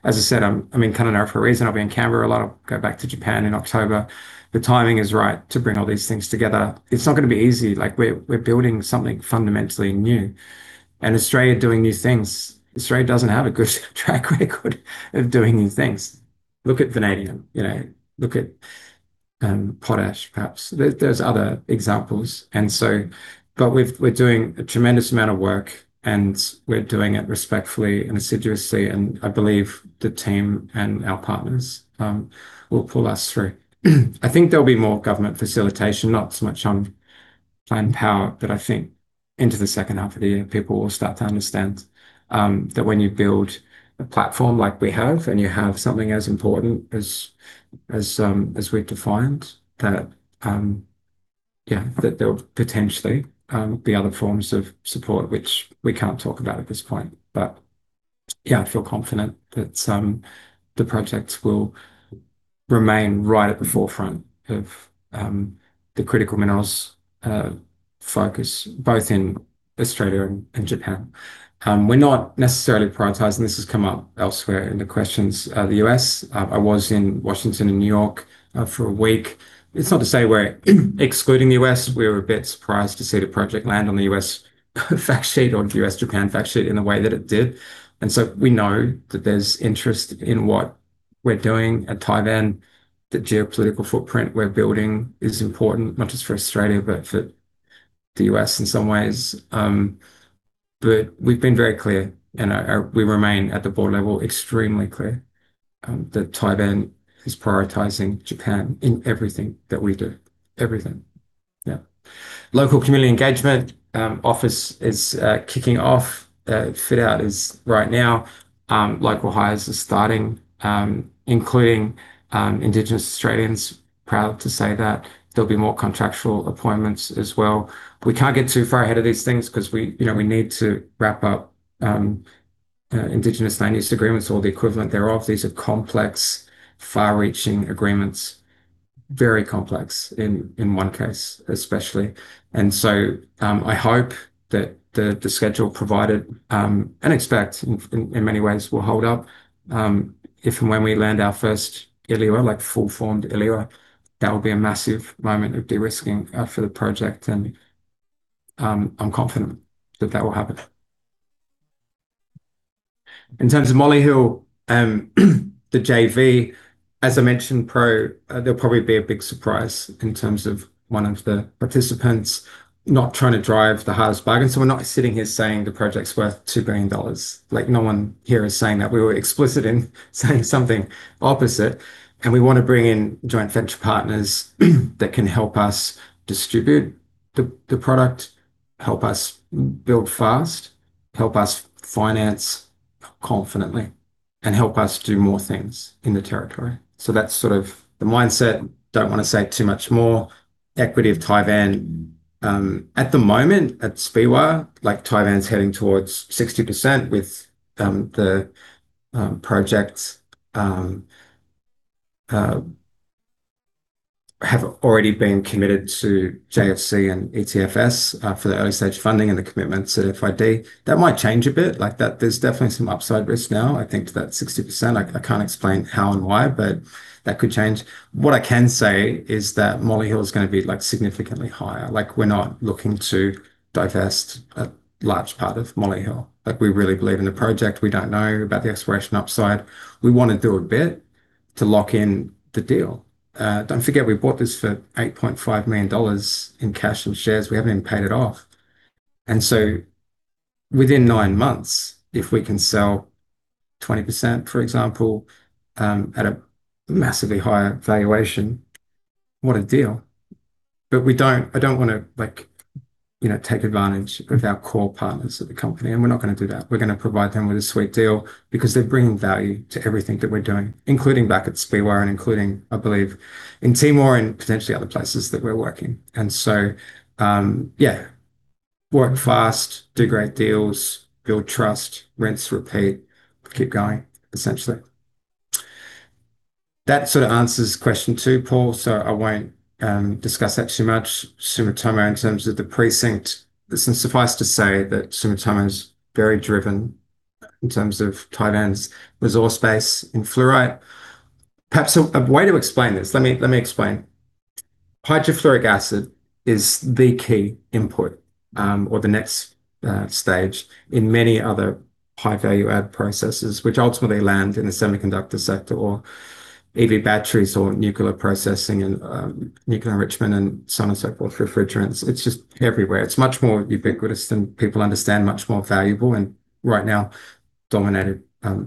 As I said, I mean, kind of there for a reason. I'll be in Canberra a lot. I'll go back to Japan in October. The timing is right to bring all these things together. It's not gonna be easy. Like, we're building something fundamentally new. Australia doing new things. Australia doesn't have a good track record of doing new things. Look at vanadium, you know? Look at potash perhaps. There's other examples. We're doing a tremendous amount of work, and we're doing it respectfully and assiduously. I believe the team and our partners will pull us through. I think there'll be more government facilitation, not so much on planned power, but I think into the H2 of the year people will start to understand that when you build a platform like we have and you have something as important as we've defined, that there'll potentially be other forms of support which we can't talk about at this point. I feel confident that the project will remain right at the forefront of the critical minerals focus both in Australia and Japan. We're not necessarily prioritizing. This has come up elsewhere in the questions. The U.S., I was in Washington and New York for a week. It's not to say we're excluding the U.S. We were a bit surprised to see the project land on the U.S. fact sheet or the U.S.-Japan fact sheet in the way that it did. We know that there's interest in what we're doing at Tivan. The geopolitical footprint we're building is important, not just for Australia, but for the U.S. in some ways. We've been very clear and we remain at the board level extremely clear that Tivan is prioritizing Japan in everything that we do. Everything. Yeah. Local community engagement, office is kicking off. Fit out is right now. Local hires are starting, including Indigenous Australians. Proud to say that. There'll be more contractual appointments as well. We can't get too far ahead of these things because we, you know, we need to wrap up Indigenous Land Use Agreements or the equivalent thereof. These are complex, far-reaching agreements. Very complex in one case especially. I hope that the schedule provided and expect in many ways will hold up if and when we land our first ILUA, like full-formed ILUA. That will be a massive moment of de-risking for the project and I'm confident that that will happen. In terms of Molly Hill, the JV, as I mentioned, there'll probably be a big surprise in terms of one of the participants not trying to drive the hardest bargain. We're not sitting here saying the project's worth 2 billion dollars. Like, no one here is saying that. We were explicit in saying something opposite. We want to bring in joint venture partners that can help us distribute the product, help us build fast, help us finance confidently, and help us do more things in the territory. That's sort of the mindset. Don't want to say too much more. Equity of Tivan at the moment at Speewah, like, Tivan's heading towards 60% with the project have already been committed to JFC and ETFS for the early-stage funding and the commitment to FID. That might change a bit. Like, there's definitely some upside risk now, I think, to that 60%. I can't explain how and why, but that could change. What I can say is that Molly Hill is gonna be, like, significantly higher. Like, we're not looking to divest a large part of Molly Hill. Like, we really believe in the project. We don't know about the exploration upside. We want to do a bit to lock in the deal. Don't forget we bought this for 8.5 million dollars in cash and shares. We haven't even paid it off. Within nine months, if we can sell 20%, for example, at a massively higher valuation, what a deal. I don't wanna, like, you know, take advantage of our core partners at the company, and we're not gonna do that. We're gonna provide them with a sweet deal because they're bringing value to everything that we're doing, including back at Speewah and including, I believe, in Timor and potentially other places that we're working. Yeah. Work fast, do great deals, build trust, rinse, repeat, keep going, essentially. That sort of answers question, Paul, I won't discuss that too much. Sumitomo in terms of the precinct. Suffice to say that Sumitomo is very driven in terms of Tivan's resource base in fluorite. Perhaps a way to explain this. Let me explain. Hydrofluoric acid is the key input or the next stage in many other high value add processes which ultimately land in the semiconductor sector or EV batteries or nuclear processing and nuclear enrichment and so on and so forth, refrigerants. It's just everywhere. It's much more ubiquitous than people understand, much more valuable. Right now-dominated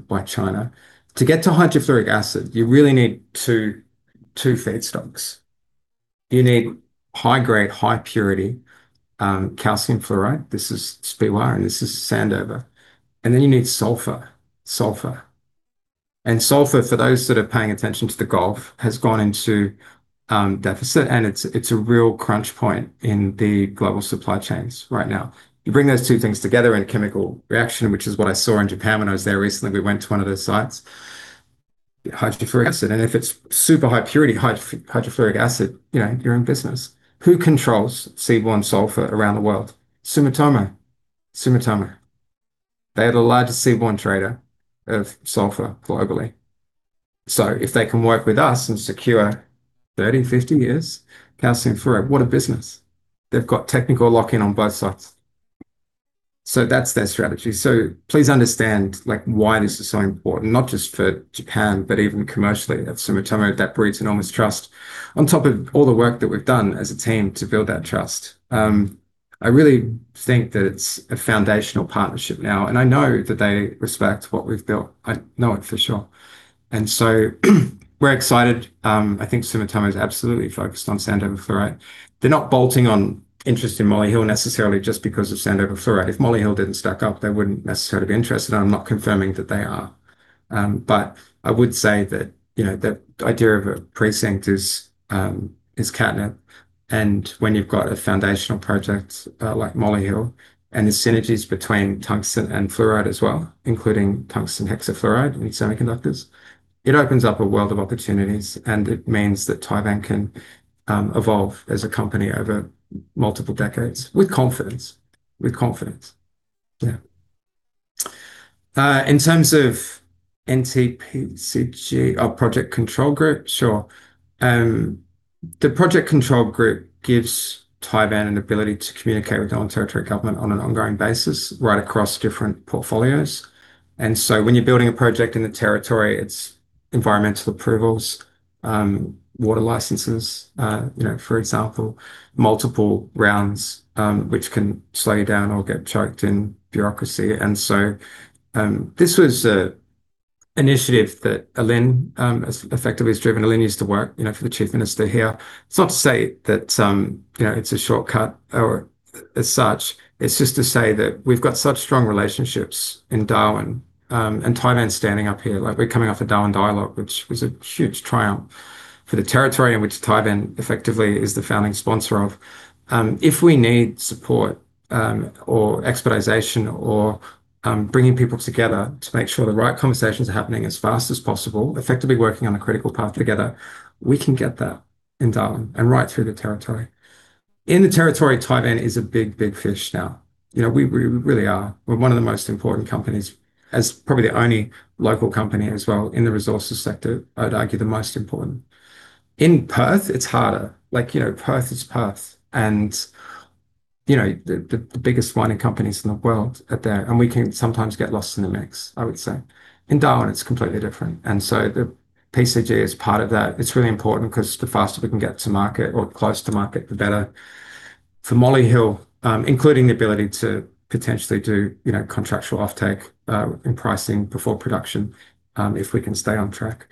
by China. To get to hydrofluoric acid, you really need 2 feedstocks. You need high grade, high purity, calcium fluoride. This is Speewah and this is Sandover. Then you need sulfur. Sulfur, for those that are paying attention to the Gulf, has gone into deficit and it's a real crunch point in the global supply chains right now. You bring those two things together in a chemical reaction, which is what I saw in Japan when I was there recently, we went to one of their sites. Hydrofluoric acid. If it's super high purity hydrofluoric acid, you know, you're in business. Who controls seaborne sulfur around the world? Sumitomo. They are the largest seaborne trader of sulfur globally. If they can work with us and secure 30, 50 years calcium fluoride, what a business. They've got technical lock-in on both sides. That's their strategy. Please understand like why this is so important, not just for Japan, but even commercially at Sumitomo that breeds enormous trust. On top of all the work that we've done as a team to build that trust. I really think that it's a foundational partnership now, and I know that they respect what we've built. I know it for sure. We're excited. I think Sumitomo is absolutely focused on Sandover Fluorite. They're not bolting on interest in Molly Hill necessarily just because of Sandover Fluorite. If Molly Hill didn't stack up, they wouldn't necessarily be interested. I'm not confirming that they are. I would say that, you know, the idea of a precinct is catnip and when you've got a foundational project, like Molly Hill and the synergies between tungsten and fluorite as well, including tungsten hexafluoride in semiconductors, it opens up a world of opportunities, and it means that Tivan can evolve as a company over multiple decades with confidence. With confidence. Yeah. In terms of NCPCG. Oh, project control group. Sure. The project control group gives Tivan an ability to communicate with Northern Territory government on an ongoing basis right across different portfolios. When you're building a project in the territory, it's environmental approvals, water licenses, you know, for example, multiple rounds, which can slow you down or get choked in bureaucracy. This was a initiative that Ellin effectively has driven. Ellin used to work, you know, for the Chief Minister here. It's not to say that, you know, it's a shortcut or as such. It's just to say that we've got such strong relationships in Darwin, and Tivan's standing up here. Like, we're coming off a Darwin Dialogue, which was a huge triumph for the territory in which Tivan effectively is the founding sponsor of. If we need support, or expedition or bringing people together to make sure the right conversations are happening as fast as possible, effectively working on a critical path together, we can get that in Darwin and right through the territory. In the territory, Tivan is a big, big fish now. You know, we really are. We're one of the most important companies as probably the only local company as well in the resources sector. I'd argue the most important. In Perth, it's harder. Like, you know, Perth is Perth and, you know, the biggest mining companies in the world are there, and we can sometimes get lost in the mix, I would say. In Darwin, it's completely different. The PCG is part of that. It's really important because the faster we can get to market or close to market, the better. For Molly Hill, including the ability to potentially do, you know, contractual offtake in pricing before production, if we can stay on track.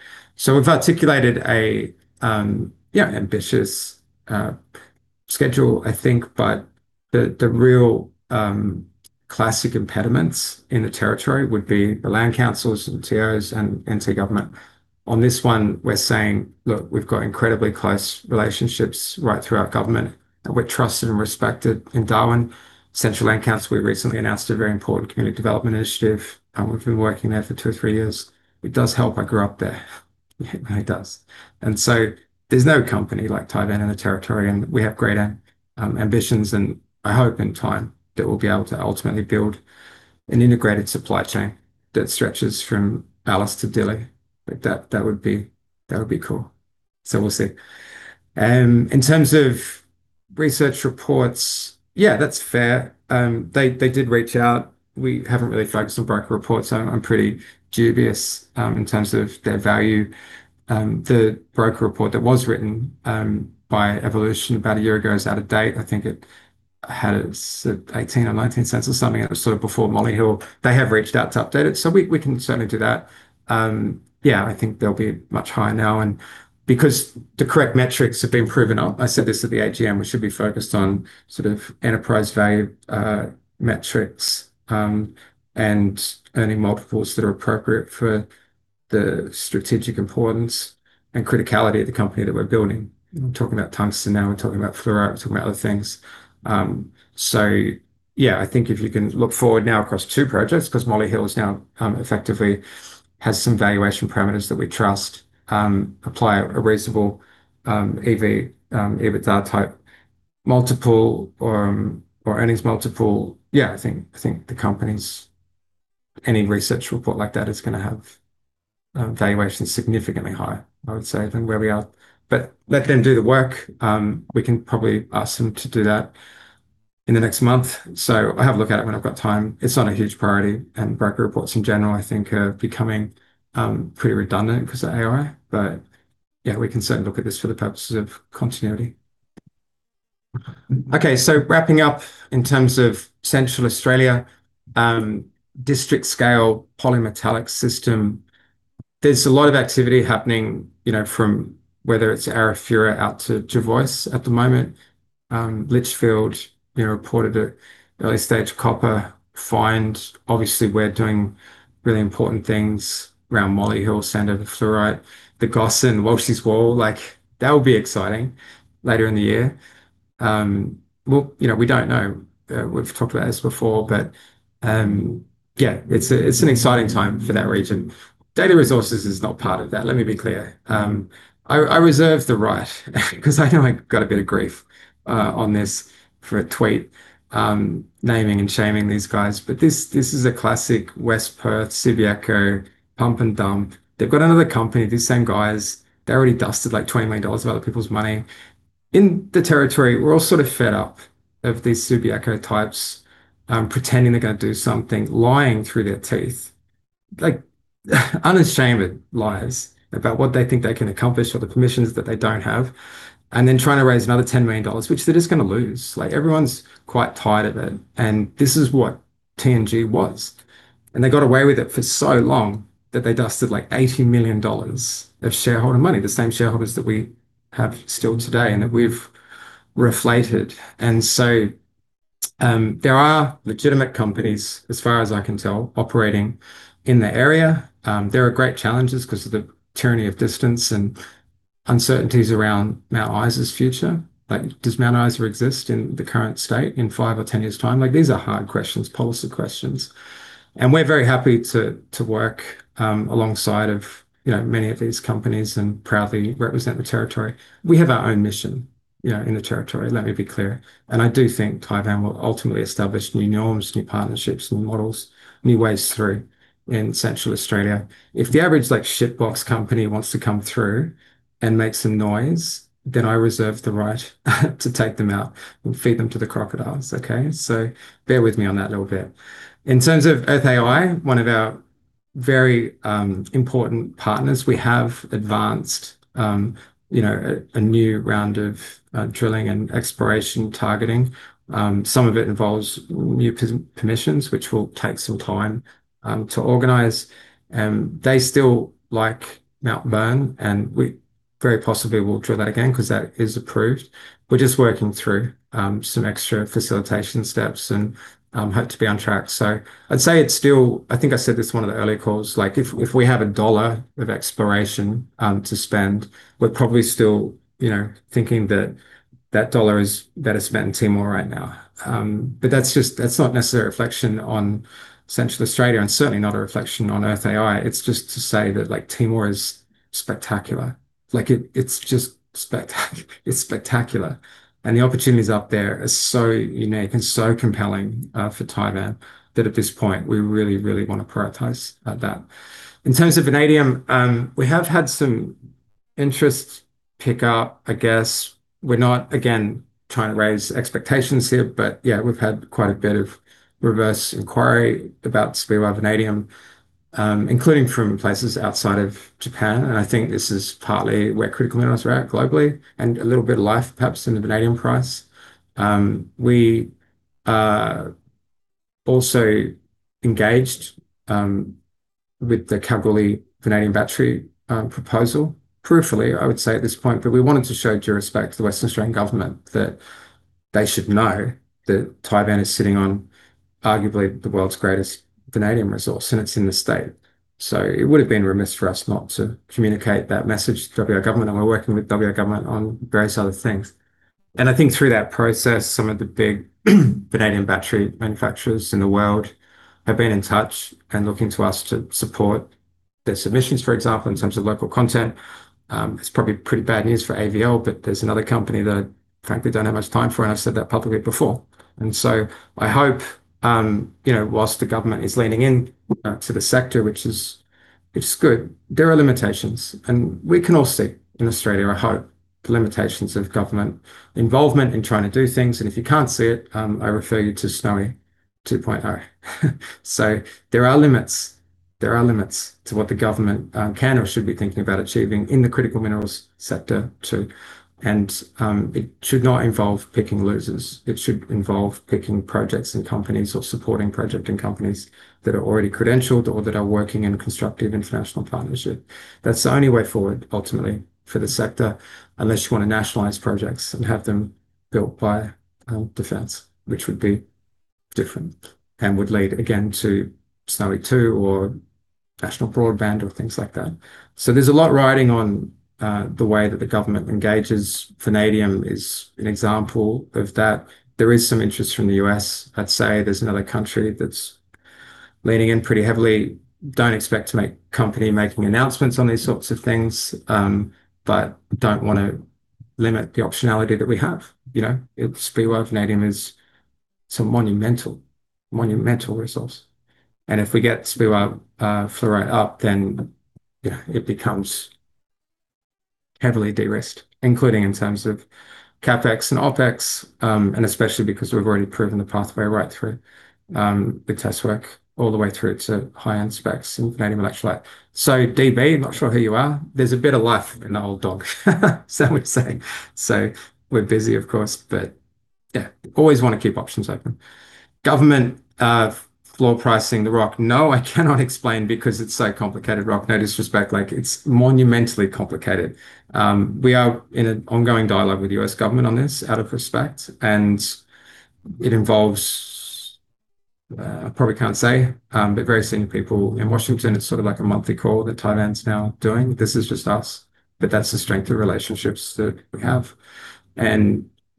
We've articulated a ambitious schedule, I think, but the real classic impediments in the territory would be the Land Councils and TOs and NT government. On this one, we're saying, "Look, we've got incredibly close relationships right throughout government, and we're trusted and respected in Darwin." Central Land Council recently announced a very important community development initiative, and we've been working there for two or three years. It does help I grew up there. It does. There's no company like Tivan in the territory, and we have great ambitions and I hope in time that we'll be able to ultimately build an integrated supply chain that stretches from Alice to Dili. That would be cool. We'll see. In terms of research reports, yeah, that's fair. They did reach out. We haven't really focused on broker reports. I'm pretty dubious in terms of their value. The broker report that was written by Evolution about a year ago is out of date. I think it had it at 0.18 or 0.19 or something. It was sort of before Mount Peake. They have reached out to update it, so we can certainly do that. Yeah, I think they'll be much higher now and because the correct metrics have been proven. I said this at the AGM. We should be focused on sort of enterprise value metrics and earning multiples that are appropriate for the strategic importance and criticality of the company that we're building. We're talking about tungsten now. We're talking about fluorite. We're talking about other things. Yeah, I think if you can look forward now across two projects, because Molly Hill is now effectively has some valuation parameters that we trust, apply a reasonable EV, EBITDA type multiple, or earnings multiple. Yeah, I think any research report like that is gonna have valuations significantly higher, I would say, than where we are. Let them do the work. We can probably ask them to do that in the next month. I'll have a look at it when I've got time. It's not a huge priority. Broker reports in general I think are becoming pretty redundant because of AI. Yeah, we can certainly look at this for the purposes of continuity. Okay. Wrapping up in terms of Central Australia, district scale polymetallic system, there's a lot of activity happening, you know, from whether it's Arafura out to Jervois at the moment. Litchfield, you know, reported a early-stage copper find. Obviously, we're doing really important things around Molly Hill, Sandover Fluorite, the Gossan, Welshy's Wall. Like that will be exciting later in the year. Well, you know, we don't know. We've talked about this before, but, yeah, it's an exciting time for that region. Data Resources is not part of that, let me be clear. I reserve the right 'cause I know I got a bit of grief on this for a tweet, naming and shaming these guys. This is a classic West Perth Subiaco pump and dump. They've got another company, these same guys, they already dusted like 20 million dollars of other people's money. In the territory, we're all sort of fed up of these Subiaco types, pretending they're gonna do something, lying through their teeth. Like unashamed lies about what they think they can accomplish or the permissions that they don't have, then trying to raise another 10 million dollars, which they're just gonna lose. Like everyone's quite tired of it, this is what TNG was. They got away with it for so long that they dusted like 80 million dollars of shareholder money, the same shareholders that we have still today and that we've reflated. There are legitimate companies, as far as I can tell, operating in the area. There are great challenges 'cause of the tyranny of distance and uncertainties around Mount Isa's future. Like does Mount Isa exist in the current state in five or 10 years' time? Like these are hard questions, policy questions. We're very happy to work alongside of, you know, many of these companies and proudly represent the Territory. We have our own mission, you know, in the Territory, let me be clear. I do think Tivan will ultimately establish new norms, new partnerships, new models, new ways through in Central Australia. If the average like shit box company wants to come through and make some noise, then I reserve the right to take them out and feed them to the crocodiles. Okay? Bear with me on that little bit. In terms of Earth AI, one of our very important partners, we have advanced, you know, a new round of drilling and exploration targeting. Some of it involves new permissions, which will take some time to organize. They still like Mount Burn, and we very possibly will drill that again 'cause that is approved. We're just working through some extra facilitation steps and hope to be on track. I'd say it's still. I think I said this in one of the earlier calls, like if we have an AUD 1 of exploration to spend, we're probably still, you know, thinking that that AUD 1 is better spent in Timor right now. That's not necessarily a reflection on Central Australia and certainly not a reflection on Earth AI. It's just to say that like Timor is spectacular. Like it's just spectacular and the opportunities up there are so unique and so compelling for Tivan that at this point we really, really wanna prioritize that. In terms of vanadium, we have had some interest pick up. I guess we're not, again, trying to raise expectations here, yeah, we've had quite a bit of reverse inquiry about Speewah vanadium, including from places outside of Japan. I think this is partly where critical minerals are at globally and a little bit of life perhaps in the vanadium price. We are also engaged with the Kalgoorlie vanadium battery proposal peripherally, I would say at this point. We wanted to show due respect to the Government of Western Australia that they should know that Tivan is sitting on arguably the world's greatest vanadium resource, and it's in the state. It would've been remiss for us not to communicate that message to WA government, and we're working with WA government on various other things. I think through that process, some of the big vanadium battery manufacturers in the world have been in touch and looking to us to support their submissions, for example, in terms of local content. It's probably pretty bad news for AVL, but there's another company that frankly don't have much time for, and I've said that publicly before. I hope, you know, whilst the government is leaning in to the sector, which is, it's good, there are limitations and we can all see in Australia, I hope, the limitations of government involvement in trying to do things. If you can't see it, I refer you to Snowy 2.0. There are limits. There are limits to what the government can or should be thinking about achieving in the critical minerals sector too. It should not involve picking losers. It should involve picking projects and companies or supporting project and companies that are already credentialed or that are working in a constructive international partnership. That's the only way forward ultimately for the sector, unless you wanna nationalize projects and have them built by defense, which would be different and would lead again to Snowy 2.0 or National Broadband or things like that. There's a lot riding on the way that the government engages. Vanadium is an example of that. There is some interest from the U.S., I'd say there's another country that's leaning in pretty heavily. Don't expect to make company making announcements on these sorts of things. Don't want to limit the optionality that we have. You know, Speewah vanadium is some monumental resource. If we get Speewah Fluorite up, it becomes heavily de-risked, including in terms of CapEx and OpEx. Especially because we've already proven the pathway right through the test work all the way through to high-end specs and vanadium electrolyte. DB, I'm not sure who you are. There's a bit of life in the old dog, we're saying. We're busy of course. Yeah, always want to keep options open. Government, floor pricing the Rock. No, I cannot explain because it's so complicated, Rock. No disrespect, like it's monumentally complicated. We are in an ongoing dialogue with the U.S. government on this out of respect. It involves, I probably can't say, very senior people in Washington. It's sort of like a monthly call that Tivan's now doing. This is just us, but that's the strength of relationships that we have.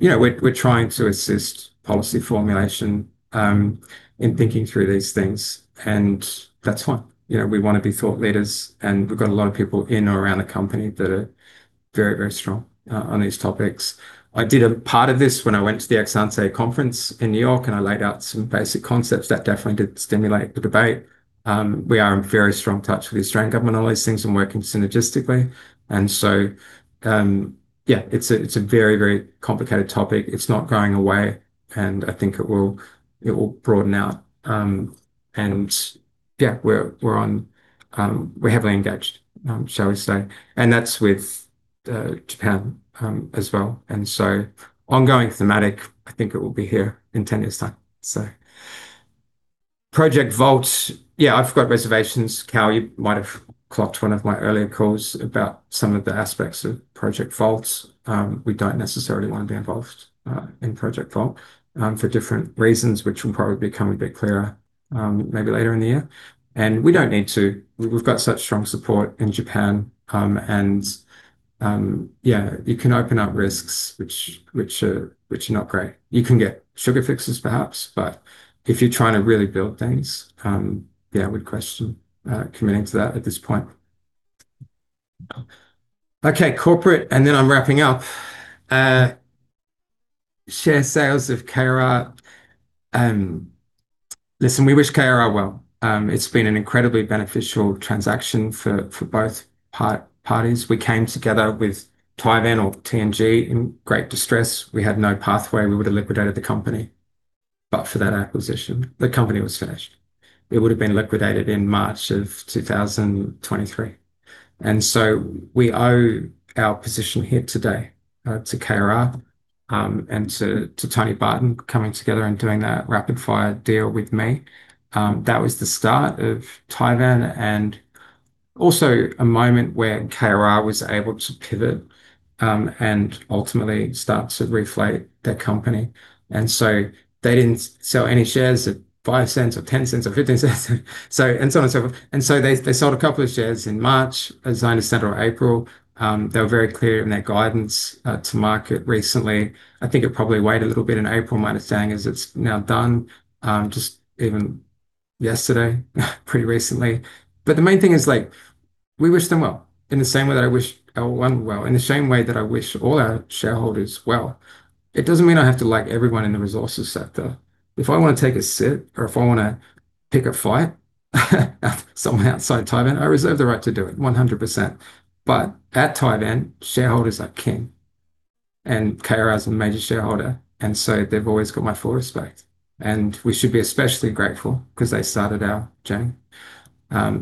You know, we're trying to assist policy formulation in thinking through these things, and that's fine. You know, we wanna be thought leaders, and we've got a lot of people in or around the company that are very, very strong on these topics. I did a part of this when I went to the Exante conference in New York, and I laid out some basic concepts that definitely did stimulate the debate. We are in very strong touch with the Australian Government on all these things and working synergistically. Yeah, it's a very, very complicated topic. It's not going away, and I think it will broaden out. Yeah, we're on, we're heavily engaged, shall we say, and that's with Japan as well. Ongoing thematic, I think it will be here in 10 years' time. Project Volt, yeah, I've got reservations. Cal, you might have clocked one of my earlier calls about some of the aspects of Project Volt. We don't necessarily wanna be involved in Project Volt for different reasons, which will probably become a bit clearer maybe later in the year. We don't need to. We've got such strong support in Japan. Yeah, you can open up risks, which are not great. You can get sugar fixes perhaps, but if you're trying to really build things, yeah, I would question committing to that at this point. Okay, corporate. I'm wrapping up. Share sales of KRR. Listen, we wish KRR well. It's been an incredibly beneficial transaction for both parties. We came together with Tivan or TNG in great distress. We had no pathway. We would have liquidated the company. For that acquisition, the company was finished. It would have been liquidated in March of 2023. We owe our position here today to KRR and to Tony Barton coming together and doing that rapid-fire deal with me. That was the start of Tivan and also a moment where KRR was able to pivot and ultimately start to reflate their company. They didn't sell any shares at 0.05 or 0.10 or 0.15. And so on and so forth. They sold a couple of shares in March, as 97 or April. They were very clear in their guidance to market recently. I think it probably weighed a little bit in April. My understanding is it's now done just even yesterday, pretty recently. The main thing is, like, we wish them well in the same way that I wish L1 well, in the same way that I wish all our shareholders well. It doesn't mean I have to like everyone in the resources sector. If I wanna take a sip or if I wanna pick a fight with someone outside Tivan, I reserve the right to do it 100%. At Tivan, shareholders are king and KRR is a major shareholder, and so they've always got my full respect, and we should be especially grateful because they started our journey.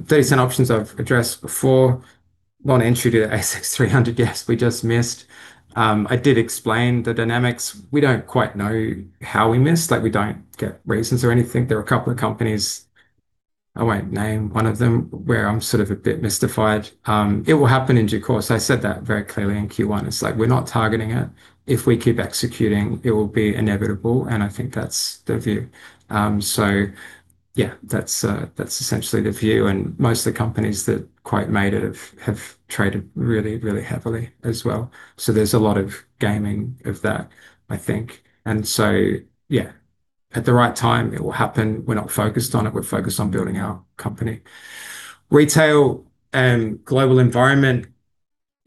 Decent options I've addressed before. One entry to the ASX 300, yes, we just missed. I did explain the dynamics. We don't quite know how we missed, like we don't get reasons or anything. There are a couple of companies, I won't name one of them, where I'm sort of a bit mystified. It will happen in due course. I said that very clearly in Q1. It's like we're not targeting it. If we keep executing, it will be inevitable, and I think that's the view. Yeah, that's essentially the view and most of the companies that quite made it have traded really, really heavily as well. There's a lot of gaming of that, I think. Yeah, at the right time it will happen. We're not focused on it. We're focused on building our company. Retail and global environment.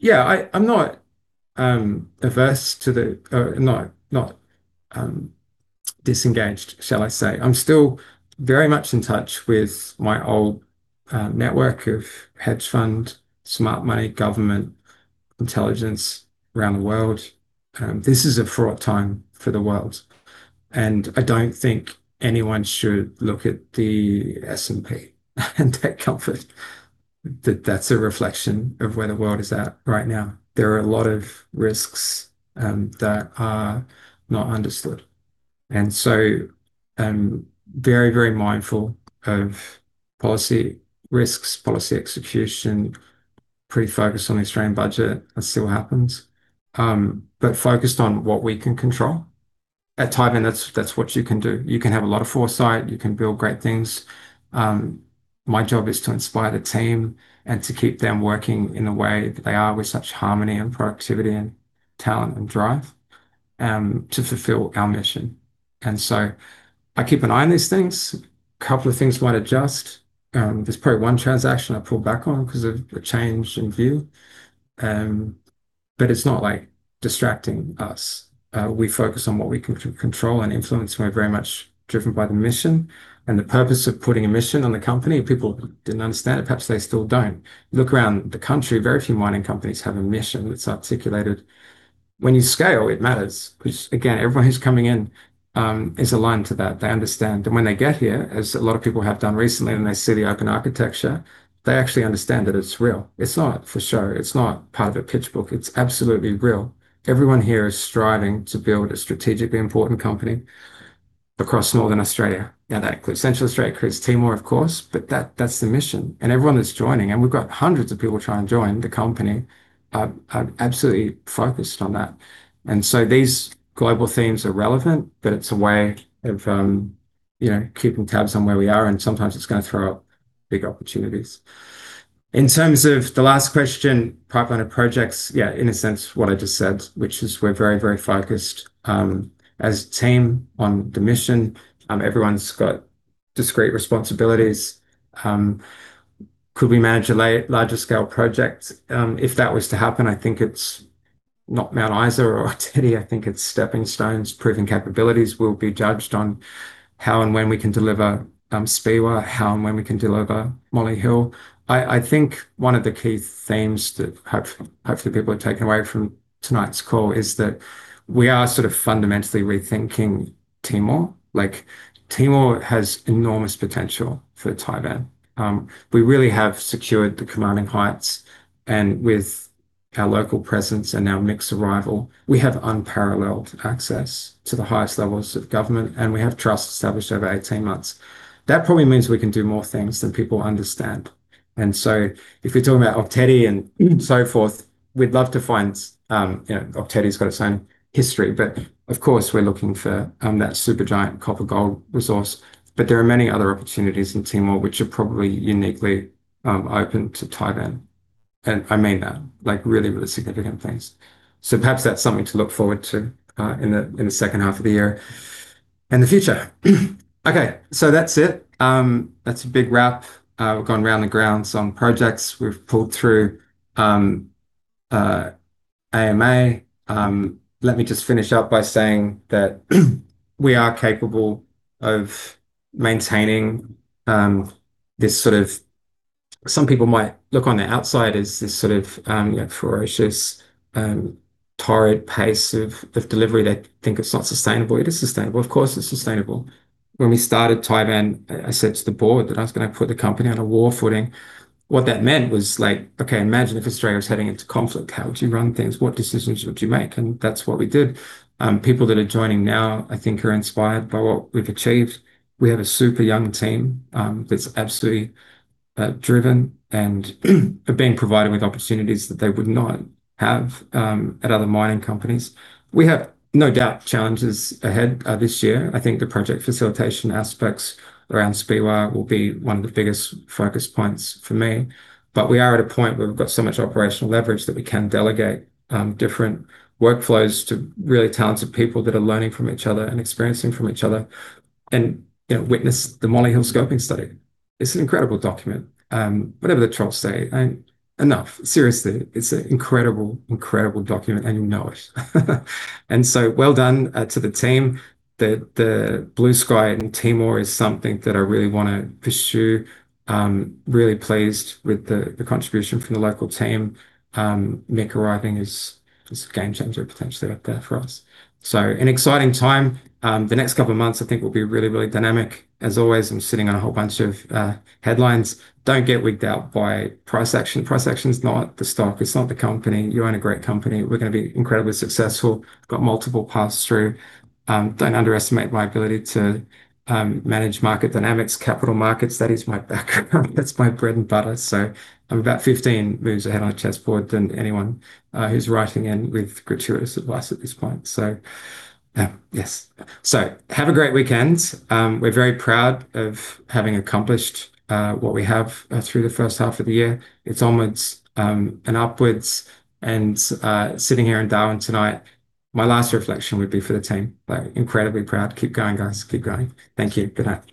Yeah, I'm not disengaged, shall I say. I'm still very much in touch with my old network of hedge fund, smart money, government, intelligence around the world. This is a fraught time for the world, and I don't think anyone should look at the S&P and take comfort that that's a reflection of where the world is at right now. There are a lot of risks that are not understood, and so I'm very, very mindful of policy risks, policy execution. Pretty focused on the Australian budget. That still happens. Focused on what we can control. At Tivan, that's what you can do. You can have a lot of foresight. You can build great things. My job is to inspire the team and to keep them working in the way that they are with such harmony and productivity and talent and drive to fulfill our mission. I keep an eye on these things. A couple of things might adjust. There's probably one transaction I pulled back on because of a change in view. It's not, like, distracting us. We focus on what we can control and influence. We're very much driven by the mission and the purpose of putting a mission on the company. People didn't understand it. Perhaps they still don't. Look around the country, very few mining companies have a mission that's articulated. When you scale, it matters 'cause, again, everyone who's coming in is aligned to that. They understand. When they get here, as a lot of people have done recently, and they see the open architecture, they actually understand that it's real. It's not for show, it's not part of a pitch book. It's absolutely real. Everyone here is striving to build a strategically important company across Northern Australia. Now, that includes Central Australia, it includes Timor, of course, but that's the mission. Everyone that's joining, and we've got hundreds of people try and join the company, are absolutely focused on that. These global themes are relevant, but it's a way of, you know, keeping tabs on where we are and sometimes it's gonna throw up big opportunities. In terms of the last question, pipeline of projects, yeah, in a sense what I just said, which is we're very, very focused, as a team on the mission. Everyone's got discrete responsibilities. Could we manage a larger scale project? If that was to happen, I think it's not Mount Isa or Okatie. I think it's stepping stones. Proving capabilities will be judged on how and when we can deliver Speewah, how and when we can deliver Molly Hill. I think one of the key themes that hopefully people are taking away from tonight's call is that we are sort of fundamentally rethinking Timor. Like, Timor has enormous potential for Tivan. We really have secured the commanding heights and with our local presence and our mix arrival, we have unparalleled access to the highest levels of government, we have trust established over 18 months. That probably means we can do more things than people understand. If we're talking about Okatie and so forth, we'd love to find, you know, Okatie's got its own history, but of course we're looking for that super giant copper gold resource. There are many other opportunities in Timor, which are probably uniquely open to Tivan, and I mean that. Like, really significant things. Perhaps that's something to look forward to in the H2 of the year and the future. That's it. That's a big wrap. We've gone round the grounds on projects. We've pulled through AMA. Let me just finish up by saying that we are capable of maintaining this sort of, Some people might look on the outside as this sort of, you know, ferocious, torrid pace of delivery. They think it's not sustainable. It is sustainable. Of course, it's sustainable. When we started Tivan, I said to the board that I was gonna put the company on a war footing. What that meant was like, okay, imagine if Australia was heading into conflict. How would you run things? What decisions would you make? That's what we did. People that are joining now I think are inspired by what we've achieved. We have a super young team that's absolutely driven and are being provided with opportunities that they would not have at other mining companies. We have no doubt challenges ahead this year. I think the project facilitation aspects around Speewah will be one of the biggest focus points for me. We are at a point where we've got so much operational leverage that we can delegate different workflows to really talented people that are learning from each other and experiencing from each other and, you know, witness the Molly Hill scoping study. It's an incredible document. Whatever the trolls say, Enough. Seriously, it's an incredible document, and you know it. Well done to the team. The blue sky in Timor is something that I really wanna pursue. Really pleased with the contribution from the local team. Mick arriving is a game changer potentially up there for us. An exciting time. The next couple of months I think will be really dynamic. As always, I'm sitting on a whole bunch of headlines. Don't get wigged out by price action. Price action's not the stock, it's not the company. You own a great company. We're gonna be incredibly successful. We've got multiple paths through. Don't underestimate my ability to manage market dynamics, capital markets. That is my background. That's my bread and butter. I'm about 15 moves ahead on a chessboard than anyone who's writing in with gratuitous advice at this point. Yes. Have a great weekend. We're very proud of having accomplished what we have through the H1 of the year. It's onwards and upwards and, sitting here in Darwin tonight, my last reflection would be for the team. Like, incredibly proud. Keep going guys. Keep going. Thank you. Good night.